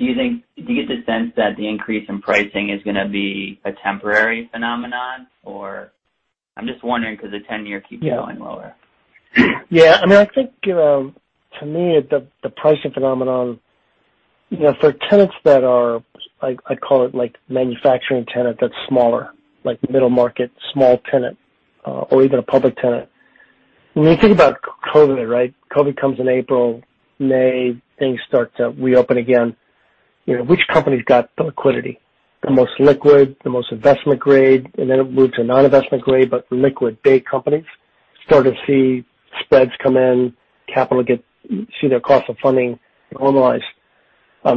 get the sense that the increase in pricing is going to be a temporary phenomenon? I'm just wondering because the 10-year keeps going lower. Yeah. I think, to me, the pricing phenomenon for tenants that are, I call it like manufacturing tenant that's smaller, like middle market, small tenant, or even a public tenant. When you think about COVID, right? COVID comes in April, May, things start to reopen again. Which company's got the liquidity? The most liquid, the most investment grade, and then it moves to non-investment grade, but liquid big companies start to see spreads come in, capital see their cost of funding normalize. I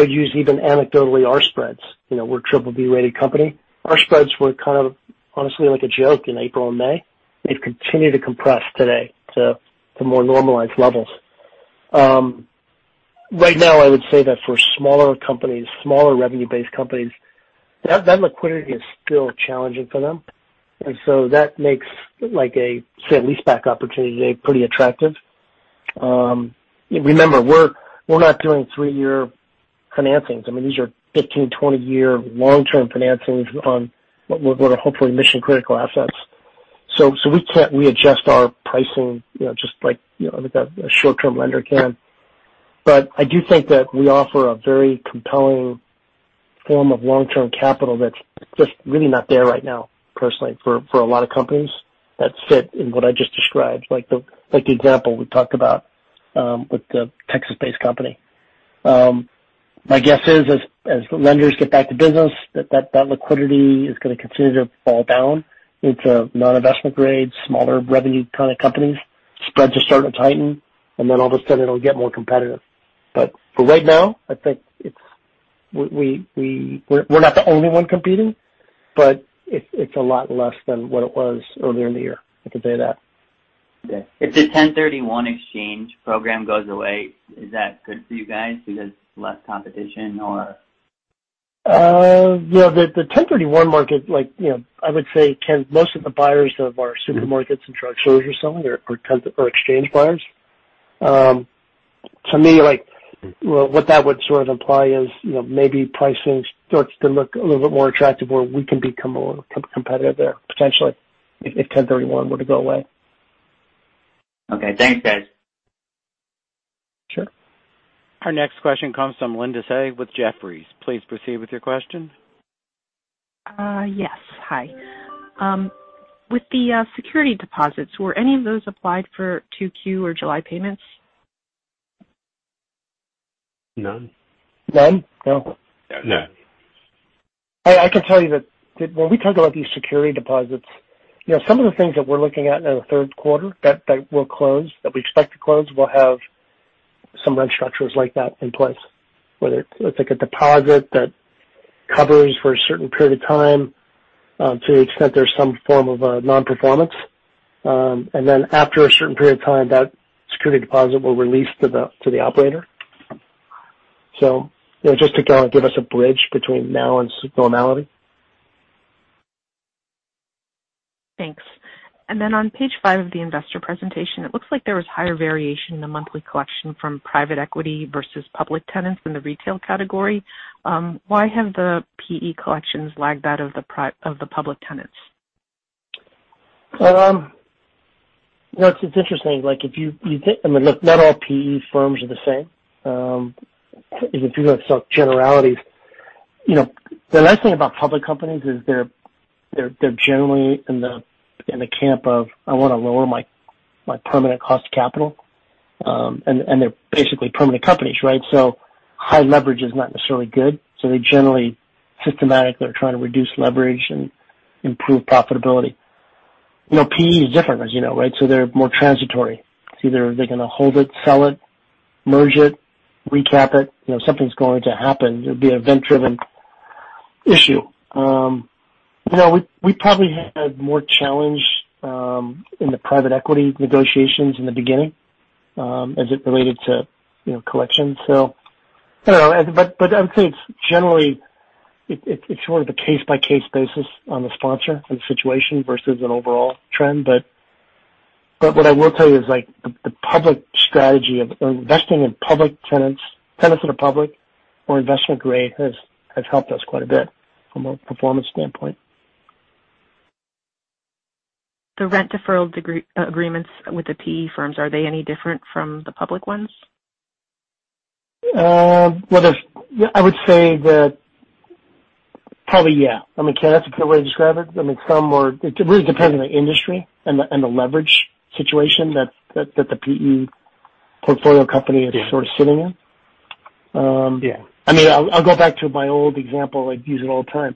would use even anecdotally, our spreads. We're a triple B-rated company. Our spreads were kind of honestly like a joke in April and May. They've continued to compress today to more normalized levels. Right now, I would say that for smaller companies, smaller revenue-based companies, that liquidity is still challenging for them. That makes, say, a leaseback opportunity today pretty attractive. Remember, we're not doing three-year financings. These are 15-20-year long-term financings on what are hopefully mission-critical assets. We adjust our pricing just like a short-term lender can. I do think that we offer a very compelling form of long-term capital that's just really not there right now, personally, for a lot of companies that fit in what I just described, like the example we talked about, with the Texas-based company. My guess is, as lenders get back to business, that liquidity is going to continue to fall down into non-investment grade, smaller revenue kind of companies. Spreads are starting to tighten, then all of a sudden it'll get more competitive. For right now, I think we're not the only one competing, but it's a lot less than what it was earlier in the year. I can say that. If the 1031 exchange program goes away, is that good for you guys because less competition or? The 1031 market, I would say most of the buyers of our supermarkets and drugstores are exchange buyers. To me, what that would sort of imply is maybe pricing starts to look a little bit more attractive where we can become a little competitive there potentially, if 1031 were to go away. Okay. Thanks, guys. Sure. Our next question comes from Linda Tsai with Jefferies. Please proceed with your question. Yes. Hi. With the security deposits, were any of those applied for 2Q or July payments? None. None. No. No. I can tell you that when we talk about these security deposits, some of the things that we're looking at in the third quarter that will close, that we expect to close, will have some rent structures like that in place. Whether it's like a deposit that covers for a certain period of time, to the extent there's some form of a non-performance. Then after a certain period of time, that security deposit will release to the operator. Just to kind of give us a bridge between now and normality. Thanks. On page five of the investor presentation, it looks like there was higher variation in the monthly collection from private equity versus public tenants in the retail category. Why have the PE collections lagged that of the public tenants? It's interesting. Not all PE firms are the same. If you have generalities. The nice thing about public companies is they're generally in the camp of, I want to lower my permanent cost capital. They're basically permanent companies, right? High leverage is not necessarily good. They generally, systematically are trying to reduce leverage and improve profitability. PE is different, as you know. They're more transitory. It's either they're going to hold it, sell it, merge it, recap it. Something's going to happen. It'll be an event-driven issue. We probably had more challenge in the private equity negotiations in the beginning, as it related to collection. I don't know. I would say it's generally a case-by-case basis on the sponsor and the situation versus an overall trend. What I will tell you is the public strategy of investing in public tenants that are public or investment grade has helped us quite a bit from a performance standpoint. The rent deferral agreements with the PE firms, are they any different from the public ones? I would say that probably, yeah. That's a good way to describe it. It really depends on the industry and the leverage situation that the PE portfolio company is sort of sitting in. Yeah. I'll go back to my old example. I use it all the time.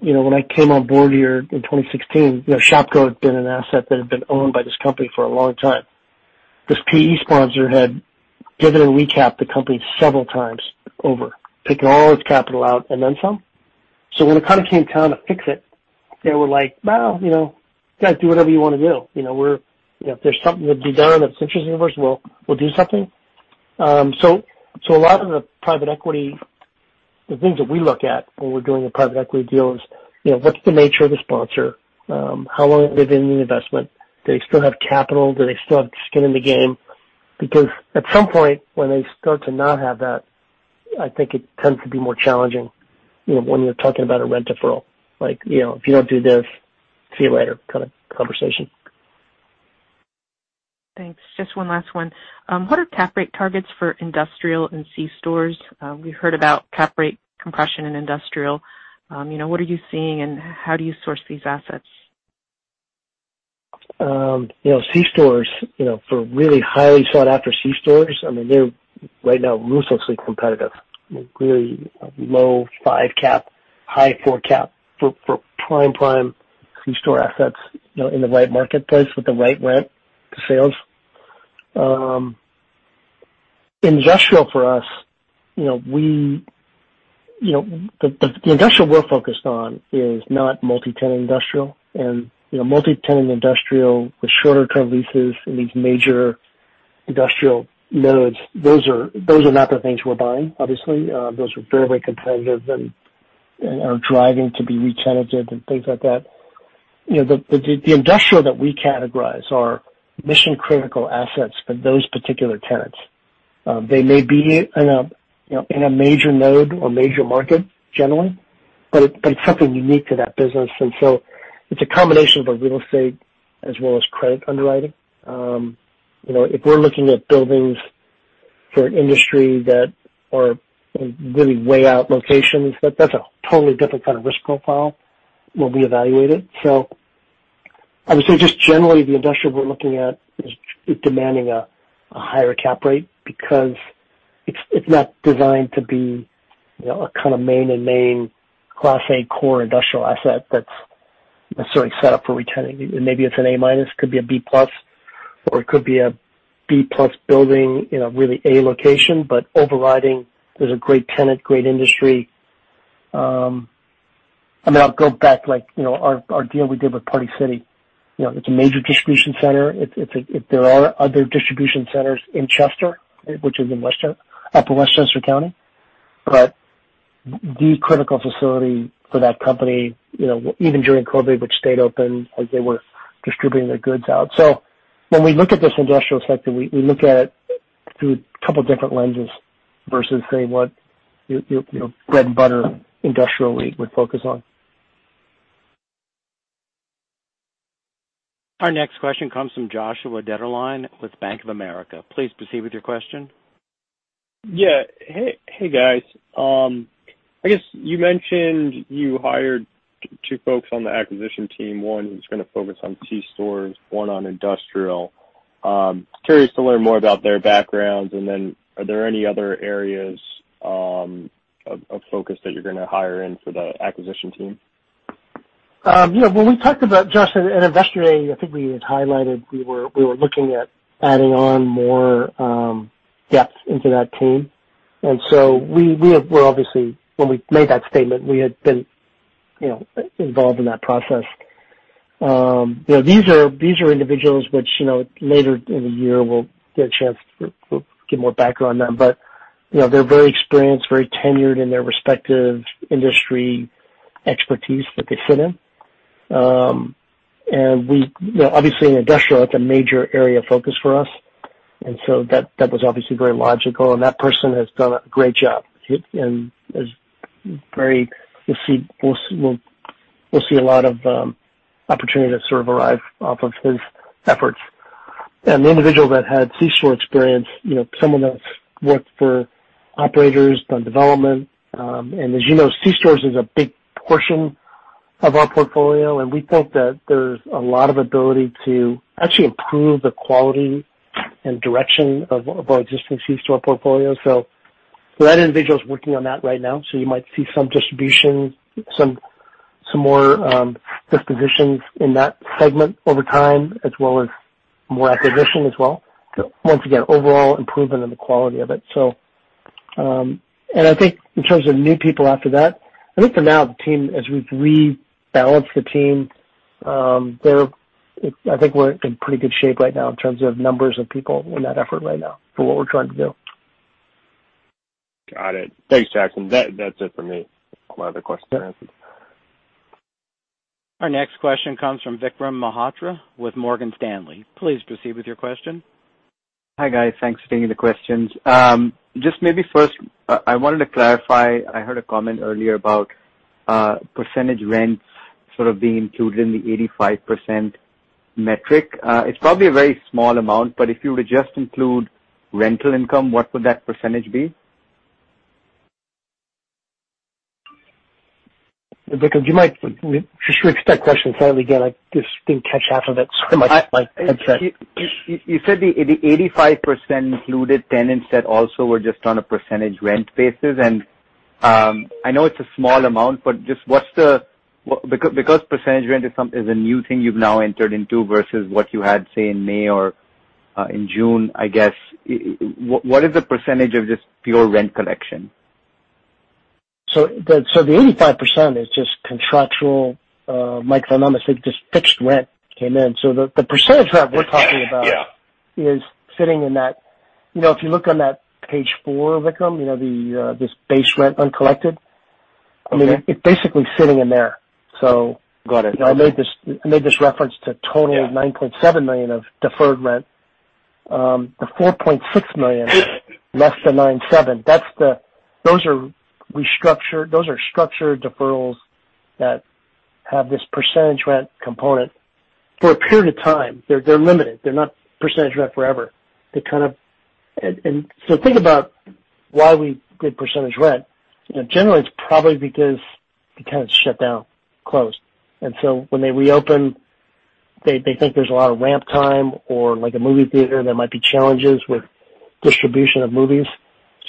When I came on board here in 2016, Shopko had been an asset that had been owned by this company for a long time. This PE sponsor had given and recapped the company several times over, taken all its capital out, and then some. When it kind of came time to fix it, they were like, "Well, guys, do whatever you want to do. " If there's something to be done that's interesting for us, we'll do something. A lot of the private equity, the things that we look at when we're doing a private equity deal is, what's the nature of the sponsor? How long have they been in the investment? Do they still have capital? Do they still have skin in the game? At some point when they start to not have that, I think it tends to be more challenging, when you're talking about a rent deferral. Like if you don't do this, see you later kind of conversation. Thanks. Just one last one. What are cap rate targets for industrial and C-stores? We heard about cap rate compression in industrial. What are you seeing, and how do you source these assets? C-stores, for really highly sought after C-stores, they're right now ruthlessly competitive. Really low five cap, high four cap for prime C-store assets in the right marketplace with the right rent to sales. Industrial for us, the industrial we're focused on is not multi-tenant industrial. Multi-tenant industrial with shorter term leases in these major industrial nodes, those are not the things we're buying, obviously. Those are very competitive and are driving to be retenanted and things like that. The industrial that we categorize are mission-critical assets for those particular tenants. They may be in a major node or major market generally, but it's something unique to that business. It's a combination of a real estate as well as credit underwriting. If we're looking at buildings for industry that are really way out locations, that's a totally different kind of risk profile when we evaluate it. I would say just generally, the industrial we're looking at is demanding a higher cap rate because it's not designed to be a kind of main and main Class A core industrial asset that's necessarily set up for retaining. Maybe it's an A-, could be a B+, or it could be a B+ building in a really A location, but overriding, there's a great tenant, great industry. I'll go back, like our deal we did with Party City. It's a major distribution center. There are other distribution centers in Chester, which is in upper Westchester County. The critical facility for that company, even during COVID, which stayed open as they were distributing their goods out. When we look at this industrial sector, we look at it through a couple different lenses versus, say, what your bread and butter industrial league would focus on. Our next question comes from Joshua Dennerlein with Bank of America. Please proceed with your question. Yeah. Hey, guys. I guess you mentioned you hired two folks on the acquisition team. One who's going to focus on C-stores, one on industrial. Curious to learn more about their backgrounds, and then are there any other areas of focus that you're going to hire in for the acquisition team? Yeah. When we talked about, Josh, at Investor Day, I think we had highlighted we were looking at adding on more depth into that team. Obviously when we made that statement, we had been involved in that process. These are individuals which later in the year we'll get a chance to give more background on them. They're very experienced, very tenured in their respective industry expertise that they fit in. Obviously in industrial, that's a major area of focus for us. That was obviously very logical, and that person has done a great job, and we'll see a lot of opportunity sort of arrive off of his efforts. The individual that had C-store experience, someone that's worked for operators, done development. As you know, C-store is a big portion of our portfolio, and we think that there's a lot of ability to actually improve the quality and direction of our existing C-store portfolio. That individual's working on that right now. You might see some distribution, some more dispositions in that segment over time, as well as more acquisition as well. Once again, overall improvement in the quality of it. I think in terms of new people after that, I think for now, as we rebalance the team, I think we're in pretty good shape right now in terms of numbers of people in that effort right now for what we're trying to do. Got it. Thanks, Jackson. That's it for me. All my other questions are answered. Our next question comes from Vikram Malhotra with Morgan Stanley. Please proceed with your question. Hi, guys. Thanks for taking the questions. Just maybe first, I wanted to clarify, I heard a comment earlier about percentage rents sort of being included in the 85% metric. It's probably a very small amount, but if you were to just include rental income, what would that percentage be? Vikram, just repeat that question slightly again. I just didn't catch half of it. Sorry, my headset. You said the 85% included tenants that also were just on a percentage rent basis, and I know it's a small amount. Percentage rent is a new thing you've now entered into versus what you had, say, in May or in June, I guess, what is the percentage of just pure rent collection? The 85% is just contractual microeconomics, like just fixed rent came in. The percentage rent we're talking about. Yeah. Is sitting in that. If you look on that page four, Vikram, this base rent uncollected. Okay. It's basically sitting in there. Got it. I made this reference to total. Yeah. $9.7 million of deferred rent. The $4.6 million less than 9.7, those are structured deferrals that have this percentage rent component for a period of time. They're limited. They're not percentage rent forever. Think about why we did percentage rent. Generally, it's probably because the tenants shut down, closed. When they reopen, they think there's a lot of ramp time or like a movie theater, there might be challenges with distribution of movies.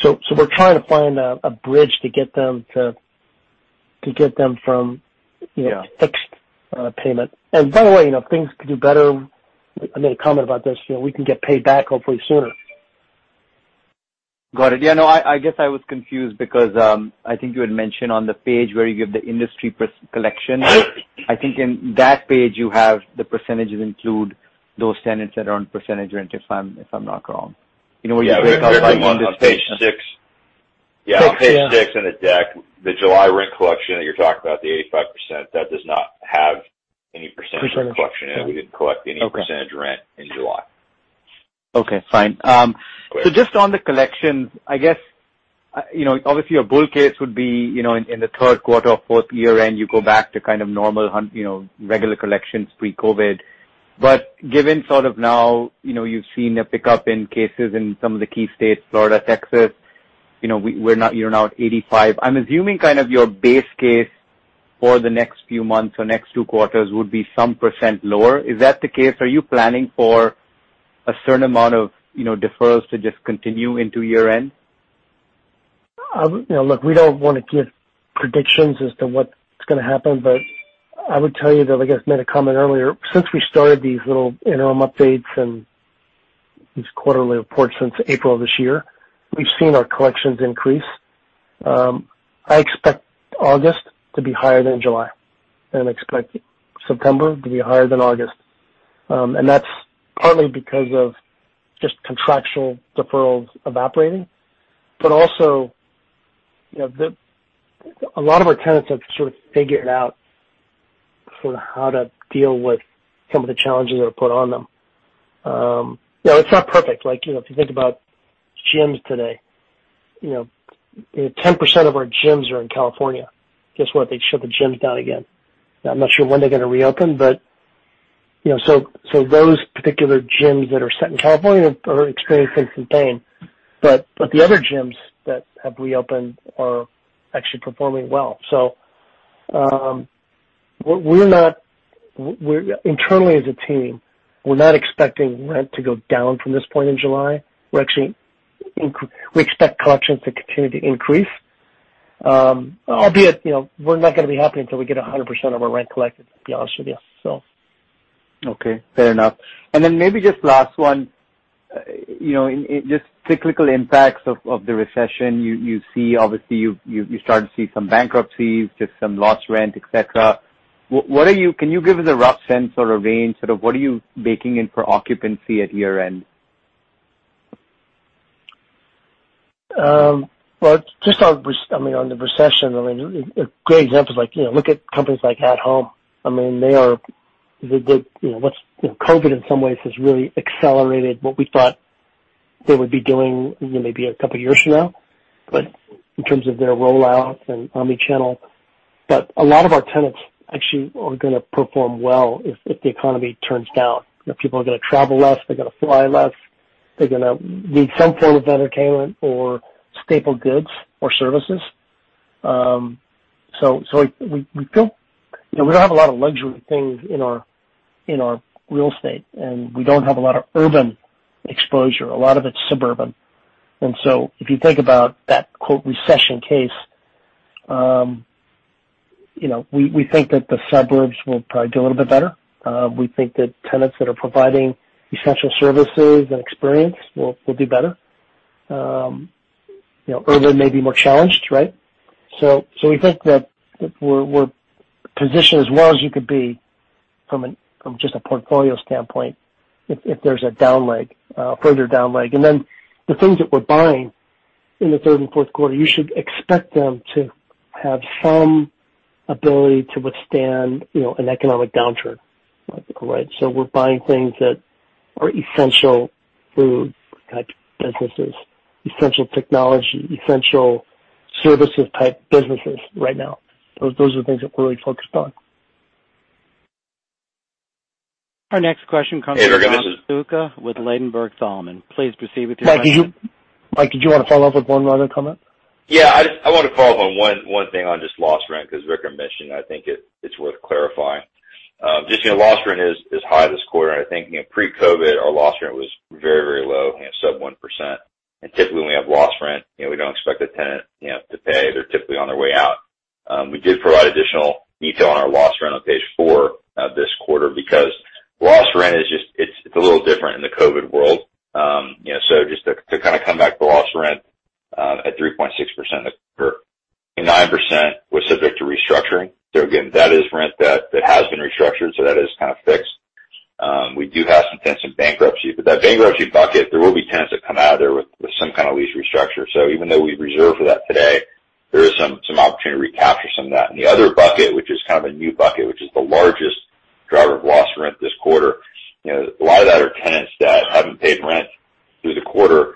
We're trying to find a bridge to get them from fixed payment. By the way, if things could do better, I made a comment about this, we can get paid back hopefully sooner. Got it. Yeah, no, I guess I was confused because, I think you had mentioned on the page where you give the industry collection. I think in that page you have the % include those tenants that are on percentage rent, if I'm not wrong. You know where you break out by industry. Yeah. On page six. Six, yeah. Yeah. On page six in the deck, the July rent collection that you're talking about, the 85%, that does not have any percentage rent collection in it. We didn't collect any percentage rent in July. Okay, fine. Great. Just on the collections, I guess, obviously your bull case would be in the third quarter or fourth year-end, you go back to kind of normal regular collections pre-COVID. Given sort of now, you've seen a pickup in cases in some of the key states, Florida, Texas, you're now at 85. I'm assuming kind of your base case for the next few months or next two quarters would be some % lower. Is that the case? Are you planning for a certain amount of deferrals to just continue into year-end? Look, we don't want to give predictions as to what's going to happen, but I would tell you that, I guess I made a comment earlier, since we started these little interim updates and these quarterly reports since April of this year, we've seen our collections increase. I expect August to be higher than July, and I expect September to be higher than August. That's partly because of just contractual deferrals evaporating. Also, a lot of our tenants have sort of figured out sort of how to deal with some of the challenges that are put on them. It's not perfect. If you think about gyms today, 10% of our gyms are in California. Guess what? They shut the gyms down again. I'm not sure when they're going to reopen. Those particular gyms that are set in California are experiencing some pain. The other gyms that have reopened are actually performing well. Internally as a team, we're not expecting rent to go down from this point in July. We expect collections to continue to increase. Albeit, we're not going to be happy until we get 100% of our rent collected, to be honest with you. Okay, fair enough. Maybe just last one. Just cyclical impacts of the recession. Obviously, you're starting to see some bankruptcies, just some lost rent, et cetera. Can you give us a rough sense or a range that of what are you baking in for occupancy at year-end? Just on the recession, a great example is look at companies like At Home. COVID in some ways has really accelerated what we thought they would be doing maybe a couple of years from now, but in terms of their rollout and omni-channel. A lot of our tenants actually are going to perform well if the economy turns down. If people are going to travel less, they're going to fly less. They're going to need some form of entertainment or staple goods or services. We don't have a lot of luxury things in our real estate, and we don't have a lot of urban exposure. A lot of it's suburban. If you think about that "recession case," we think that the suburbs will probably do a little bit better. We think that tenants that are providing essential services and experience will do better. Urban may be more challenged, right? We think that we're positioned as well as you could be from just a portfolio standpoint, if there's a further down leg. The things that we're buying in the third and fourth quarter, you should expect them to have some ability to withstand an economic downturn. We're buying things that are essential food type businesses, essential technology, essential services type businesses right now. Those are the things that we're really focused on. Our next question comes from. Hey, Vikram. Massocca with Ladenburg Thalmann. Please proceed with your question. Mike, did you want to follow up with one other comment? Yeah, I want to follow up on one thing on just lost rent, because Rick mentioned, I think it's worth clarifying. Just lost rent is high this quarter. I think pre-COVID, our lost rent was very low, sub 1%. Typically, when we have lost rent, we don't expect the tenant to pay. They're typically on their way out. We did provide additional detail on our lost rent on page four this quarter because lost rent it's a little different in the COVID world. Just to kind of come back to lost rent at 3.6%, 9% was subject to restructuring. Again, that is rent that has been restructured, that is kind of fixed. We do have some tenants in bankruptcy. That bankruptcy bucket, there will be tenants that come out of there with some kind of lease restructure. Even though we reserve for that today, there is some opportunity to recapture some of that. The other bucket, which is kind of a new bucket, which is the largest driver of lost rent this quarter. A lot of that are tenants that haven't paid rent through the quarter,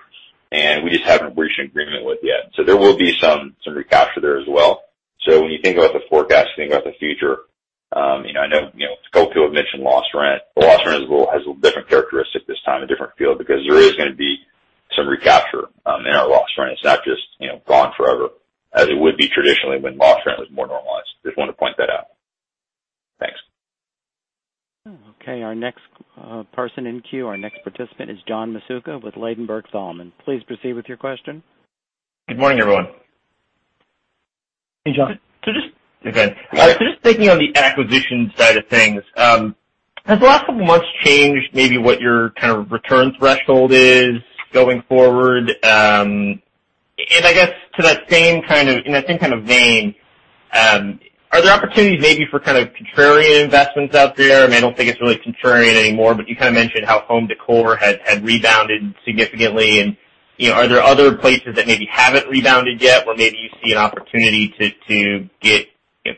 and we just haven't reached an agreement with yet. There will be some recapture there as well. When you think about the forecasting about the future, I know [Scope] has mentioned lost rent. Lost rent has a different characteristic this time, a different feel, because there is going to be some recapture in our lost rent. It's not just gone forever as it would be traditionally when lost rent was more normalized. Just wanted to point that out. Thanks. Our next person in queue, our next participant is John Massocca with Ladenburg Thalmann. Please proceed with your question. Good morning, everyone. Hey, John. Just thinking on the acquisition side of things. Has the last couple of months changed maybe what your kind of return threshold is going forward? I guess in that same kind of vein, are there opportunities maybe for kind of contrarian investments out there? I don't think it's really contrarian anymore, but you kind of mentioned how home decor had rebounded significantly. Are there other places that maybe haven't rebounded yet where maybe you see an opportunity to get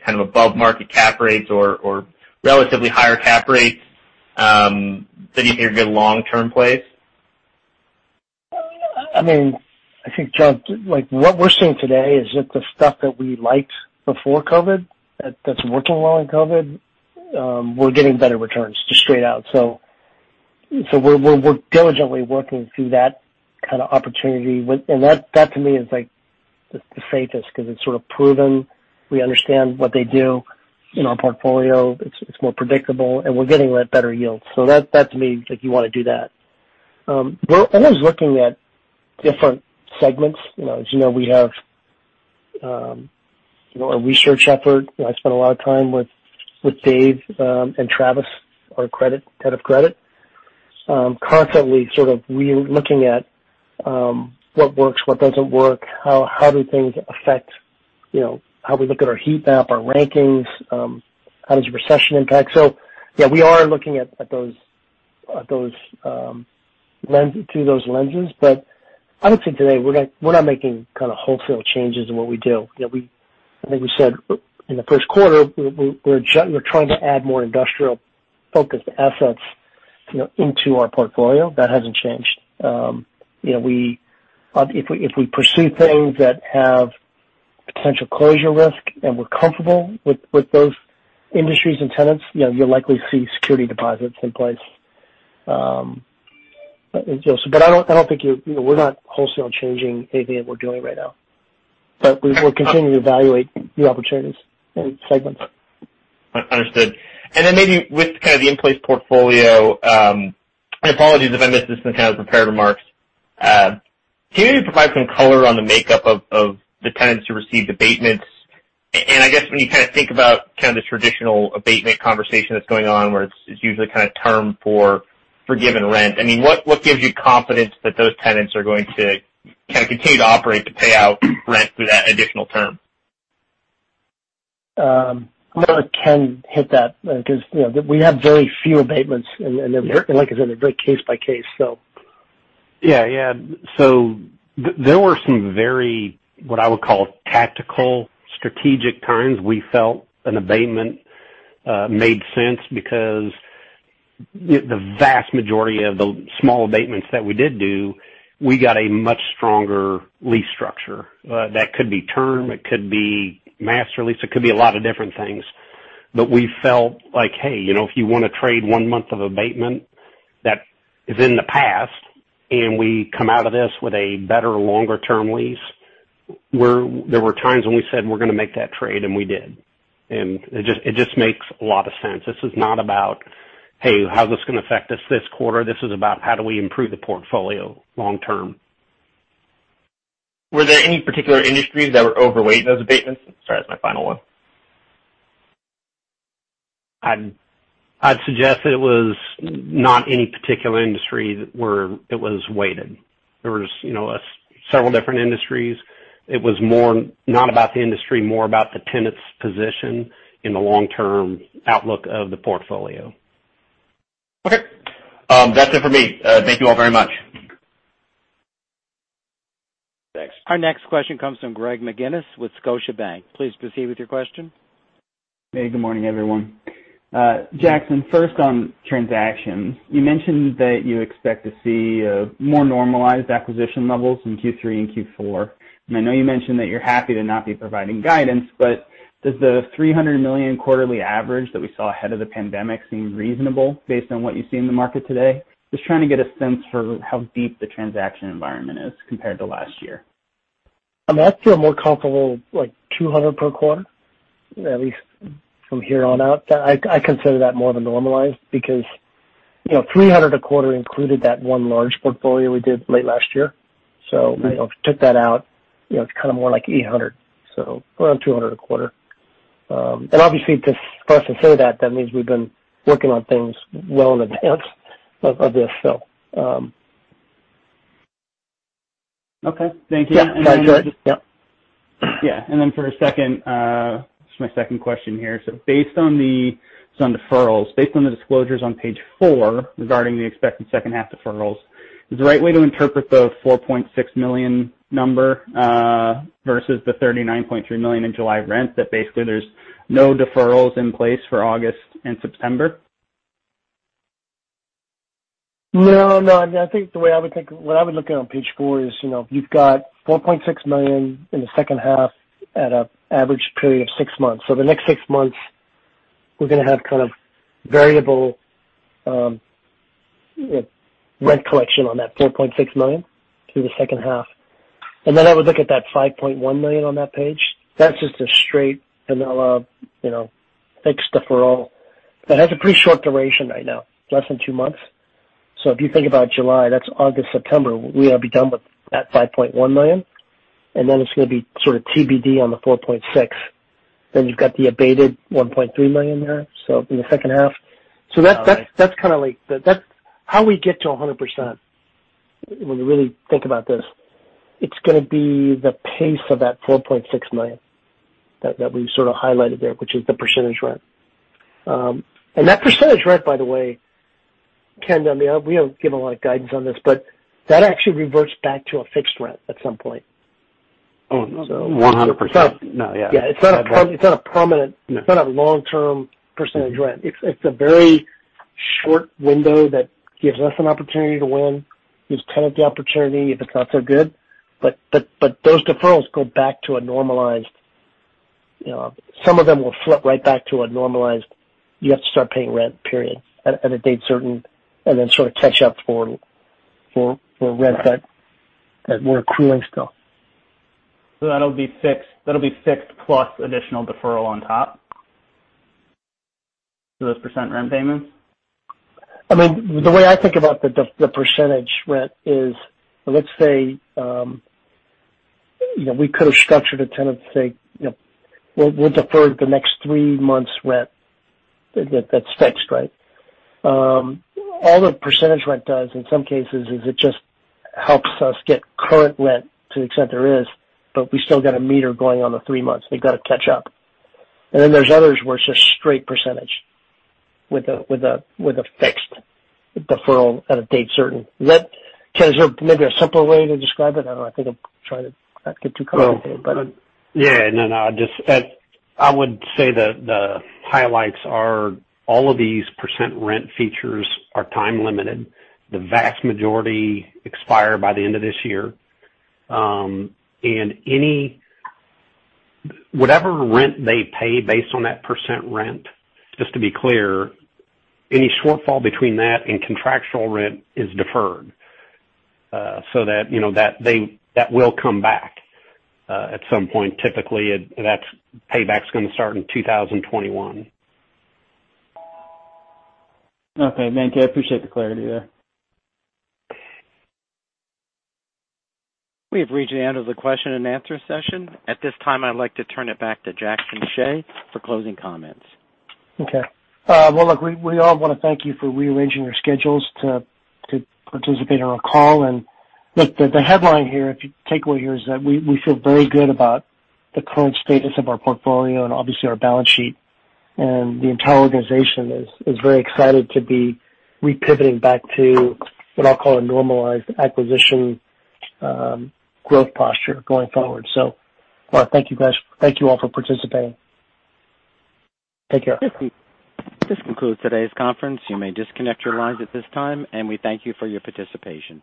kind of above-market cap rates or relatively higher cap rates that you think are good long-term plays? I think, John, what we're seeing today is that the stuff that we liked before COVID, that's working well in COVID, we're getting better returns just straight out. We're diligently working through that kind of opportunity. That to me is the safest because it's sort of proven. We understand what they do in our portfolio. It's more predictable, and we're getting better yields. That to me is like you want to do that. We're always looking at different segments. As you know, we have our research effort. I spend a lot of time with Dave and Travis, our head of credit. Constantly sort of re-looking at what works, what doesn't work, how do things affect how we look at our heat map, our rankings, how does a recession impact. Yeah, we are looking through those lenses. I would say today, we're not making kind of wholesale changes in what we do. I think we said in the first quarter, we're trying to add more industrial-focused assets into our portfolio. That hasn't changed. If we pursue things that have potential closure risk and we're comfortable with those industries and tenants, you'll likely see security deposits in place. I don't think we're not wholesale changing anything that we're doing right now. We'll continue to evaluate new opportunities and segments. Understood. Then maybe with kind of the in-place portfolio, and apologies if I missed this in the kind of prepared remarks, can you provide some color on the makeup of the tenants who received abatements? I guess when you kind of think about kind of the traditional abatement conversation that's going on, where it's usually kind of term for forgiven rent. I mean, what gives you confidence that those tenants are going to kind of continue to operate to pay out rent through that additional term? I'm going to let Ken hit that because we have very few abatements and they're, like I said, they're very case by case, so. There were some very, what I would call tactical, strategic times we felt an abatement made sense because the vast majority of the small abatements that we did do, we got a much stronger lease structure. That could be term, it could be master lease, it could be a lot of different things. We felt like, hey, if you want to trade one month of abatement that is in the past, and we come out of this with a better longer-term lease, there were times when we said we're going to make that trade, and we did. It just makes a lot of sense. This is not about, hey, how's this going to affect us this quarter? This is about how do we improve the portfolio long term. Were there any particular industries that were overweight in those abatements? Sorry, that's my final one. I'd suggest it was not any particular industry where it was weighted. There was several different industries. It was more not about the industry, more about the tenant's position in the long-term outlook of the portfolio. Okay. That's it for me. Thank you all very much. Thanks. Our next question comes from Greg McGinniss with Scotiabank. Please proceed with your question. Hey, good morning, everyone. Jackson, first on transactions. You mentioned that you expect to see more normalized acquisition levels in Q3 and Q4. I know you mentioned that you're happy to not be providing guidance, but does the $300 million quarterly average that we saw ahead of the pandemic seem reasonable based on what you see in the market today? Just trying to get a sense for how deep the transaction environment is compared to last year. I'm actually more comfortable like $200 per quarter, at least from here on out. I consider that more of a normalized because $300 a quarter included that one large portfolio we did late last year. If you took that out, it's kind of more like $800. Around $200 a quarter. Obviously for us to say that means we've been working on things well in advance of this, so. Okay. Thank you. Yeah. Yeah. For my second question here. Based on the deferrals, based on the disclosures on page four regarding the expected second-half deferrals, is the right way to interpret the $4.6 million number versus the $39.3 million in July rent that basically there's no deferrals in place for August and September? No. What I would look at on page four is, you've got $4.6 million in the second half at an average period of six months. The next six months, we're going to have kind of variable rent collection on that $4.6 million through the second half. I would look at that $5.1 million on that page. That's just a straight vanilla fixed deferral that has a pretty short duration right now, less than two months. If you think about July, that's August, September, we ought to be done with that $5.1 million, and then it's going to be sort of TBD on the $4.6. You've got the abated $1.3 million there, so in the second half. That's how we get to 100% when you really think about this. It's going to be the pace of that $4.6 million that we've sort of highlighted there, which is the percentage rent. That percentage rent, by the way, Ken, we don't give a lot of guidance on this, but that actually reverts back to a fixed rent at some point. Oh, 100%. No, yeah. Yeah. It's not a permanent, it's not a long-term percentage rent. It's a very short window that gives us an opportunity to win. Gives tenant the opportunity if it's not so good. Those deferrals go back to a normalized, some of them will flip right back to a normalized, you have to start paying rent, period, at a date certain, and then sort of catch up for rent that we're accruing still. That'll be fixed plus additional deferral on top for those percent renting? I mean, the way I think about the percentage rent is, let's say we could have structured a tenant to say, we'll defer the next three months rent that's fixed, right? All the percentage rent does in some cases is it just helps us get current rent to the extent there is, but we still got to meter going on the three months. They've got to catch up. There's others where it's just straight percentage with a fixed deferral at a date certain. Ken, is there maybe a simpler way to describe it? I don't know. I think I'm trying to not get too complicated. Yeah, no. I would say the highlights are all of these % rent features are time limited. The vast majority expire by the end of this year. Whatever rent they pay based on that % rent, just to be clear, any shortfall between that and contractual rent is deferred. That will come back at some point. Typically, that payback's going to start in 2021. Okay, thank you. I appreciate the clarity there. We have reached the end of the question and answer session. At this time, I'd like to turn it back to Jackson Hsieh for closing comments. Okay. Well, look, we all want to thank you for rearranging your schedules to participate on our call. Look, the headline here, if you take away here, is that we feel very good about the current status of our portfolio and obviously our balance sheet. The entire organization is very excited to be repivoting back to what I'll call a normalized acquisition growth posture going forward. Thank you guys. Thank you all for participating. Take care. This concludes today's conference. You may disconnect your lines at this time, and we thank you for your participation.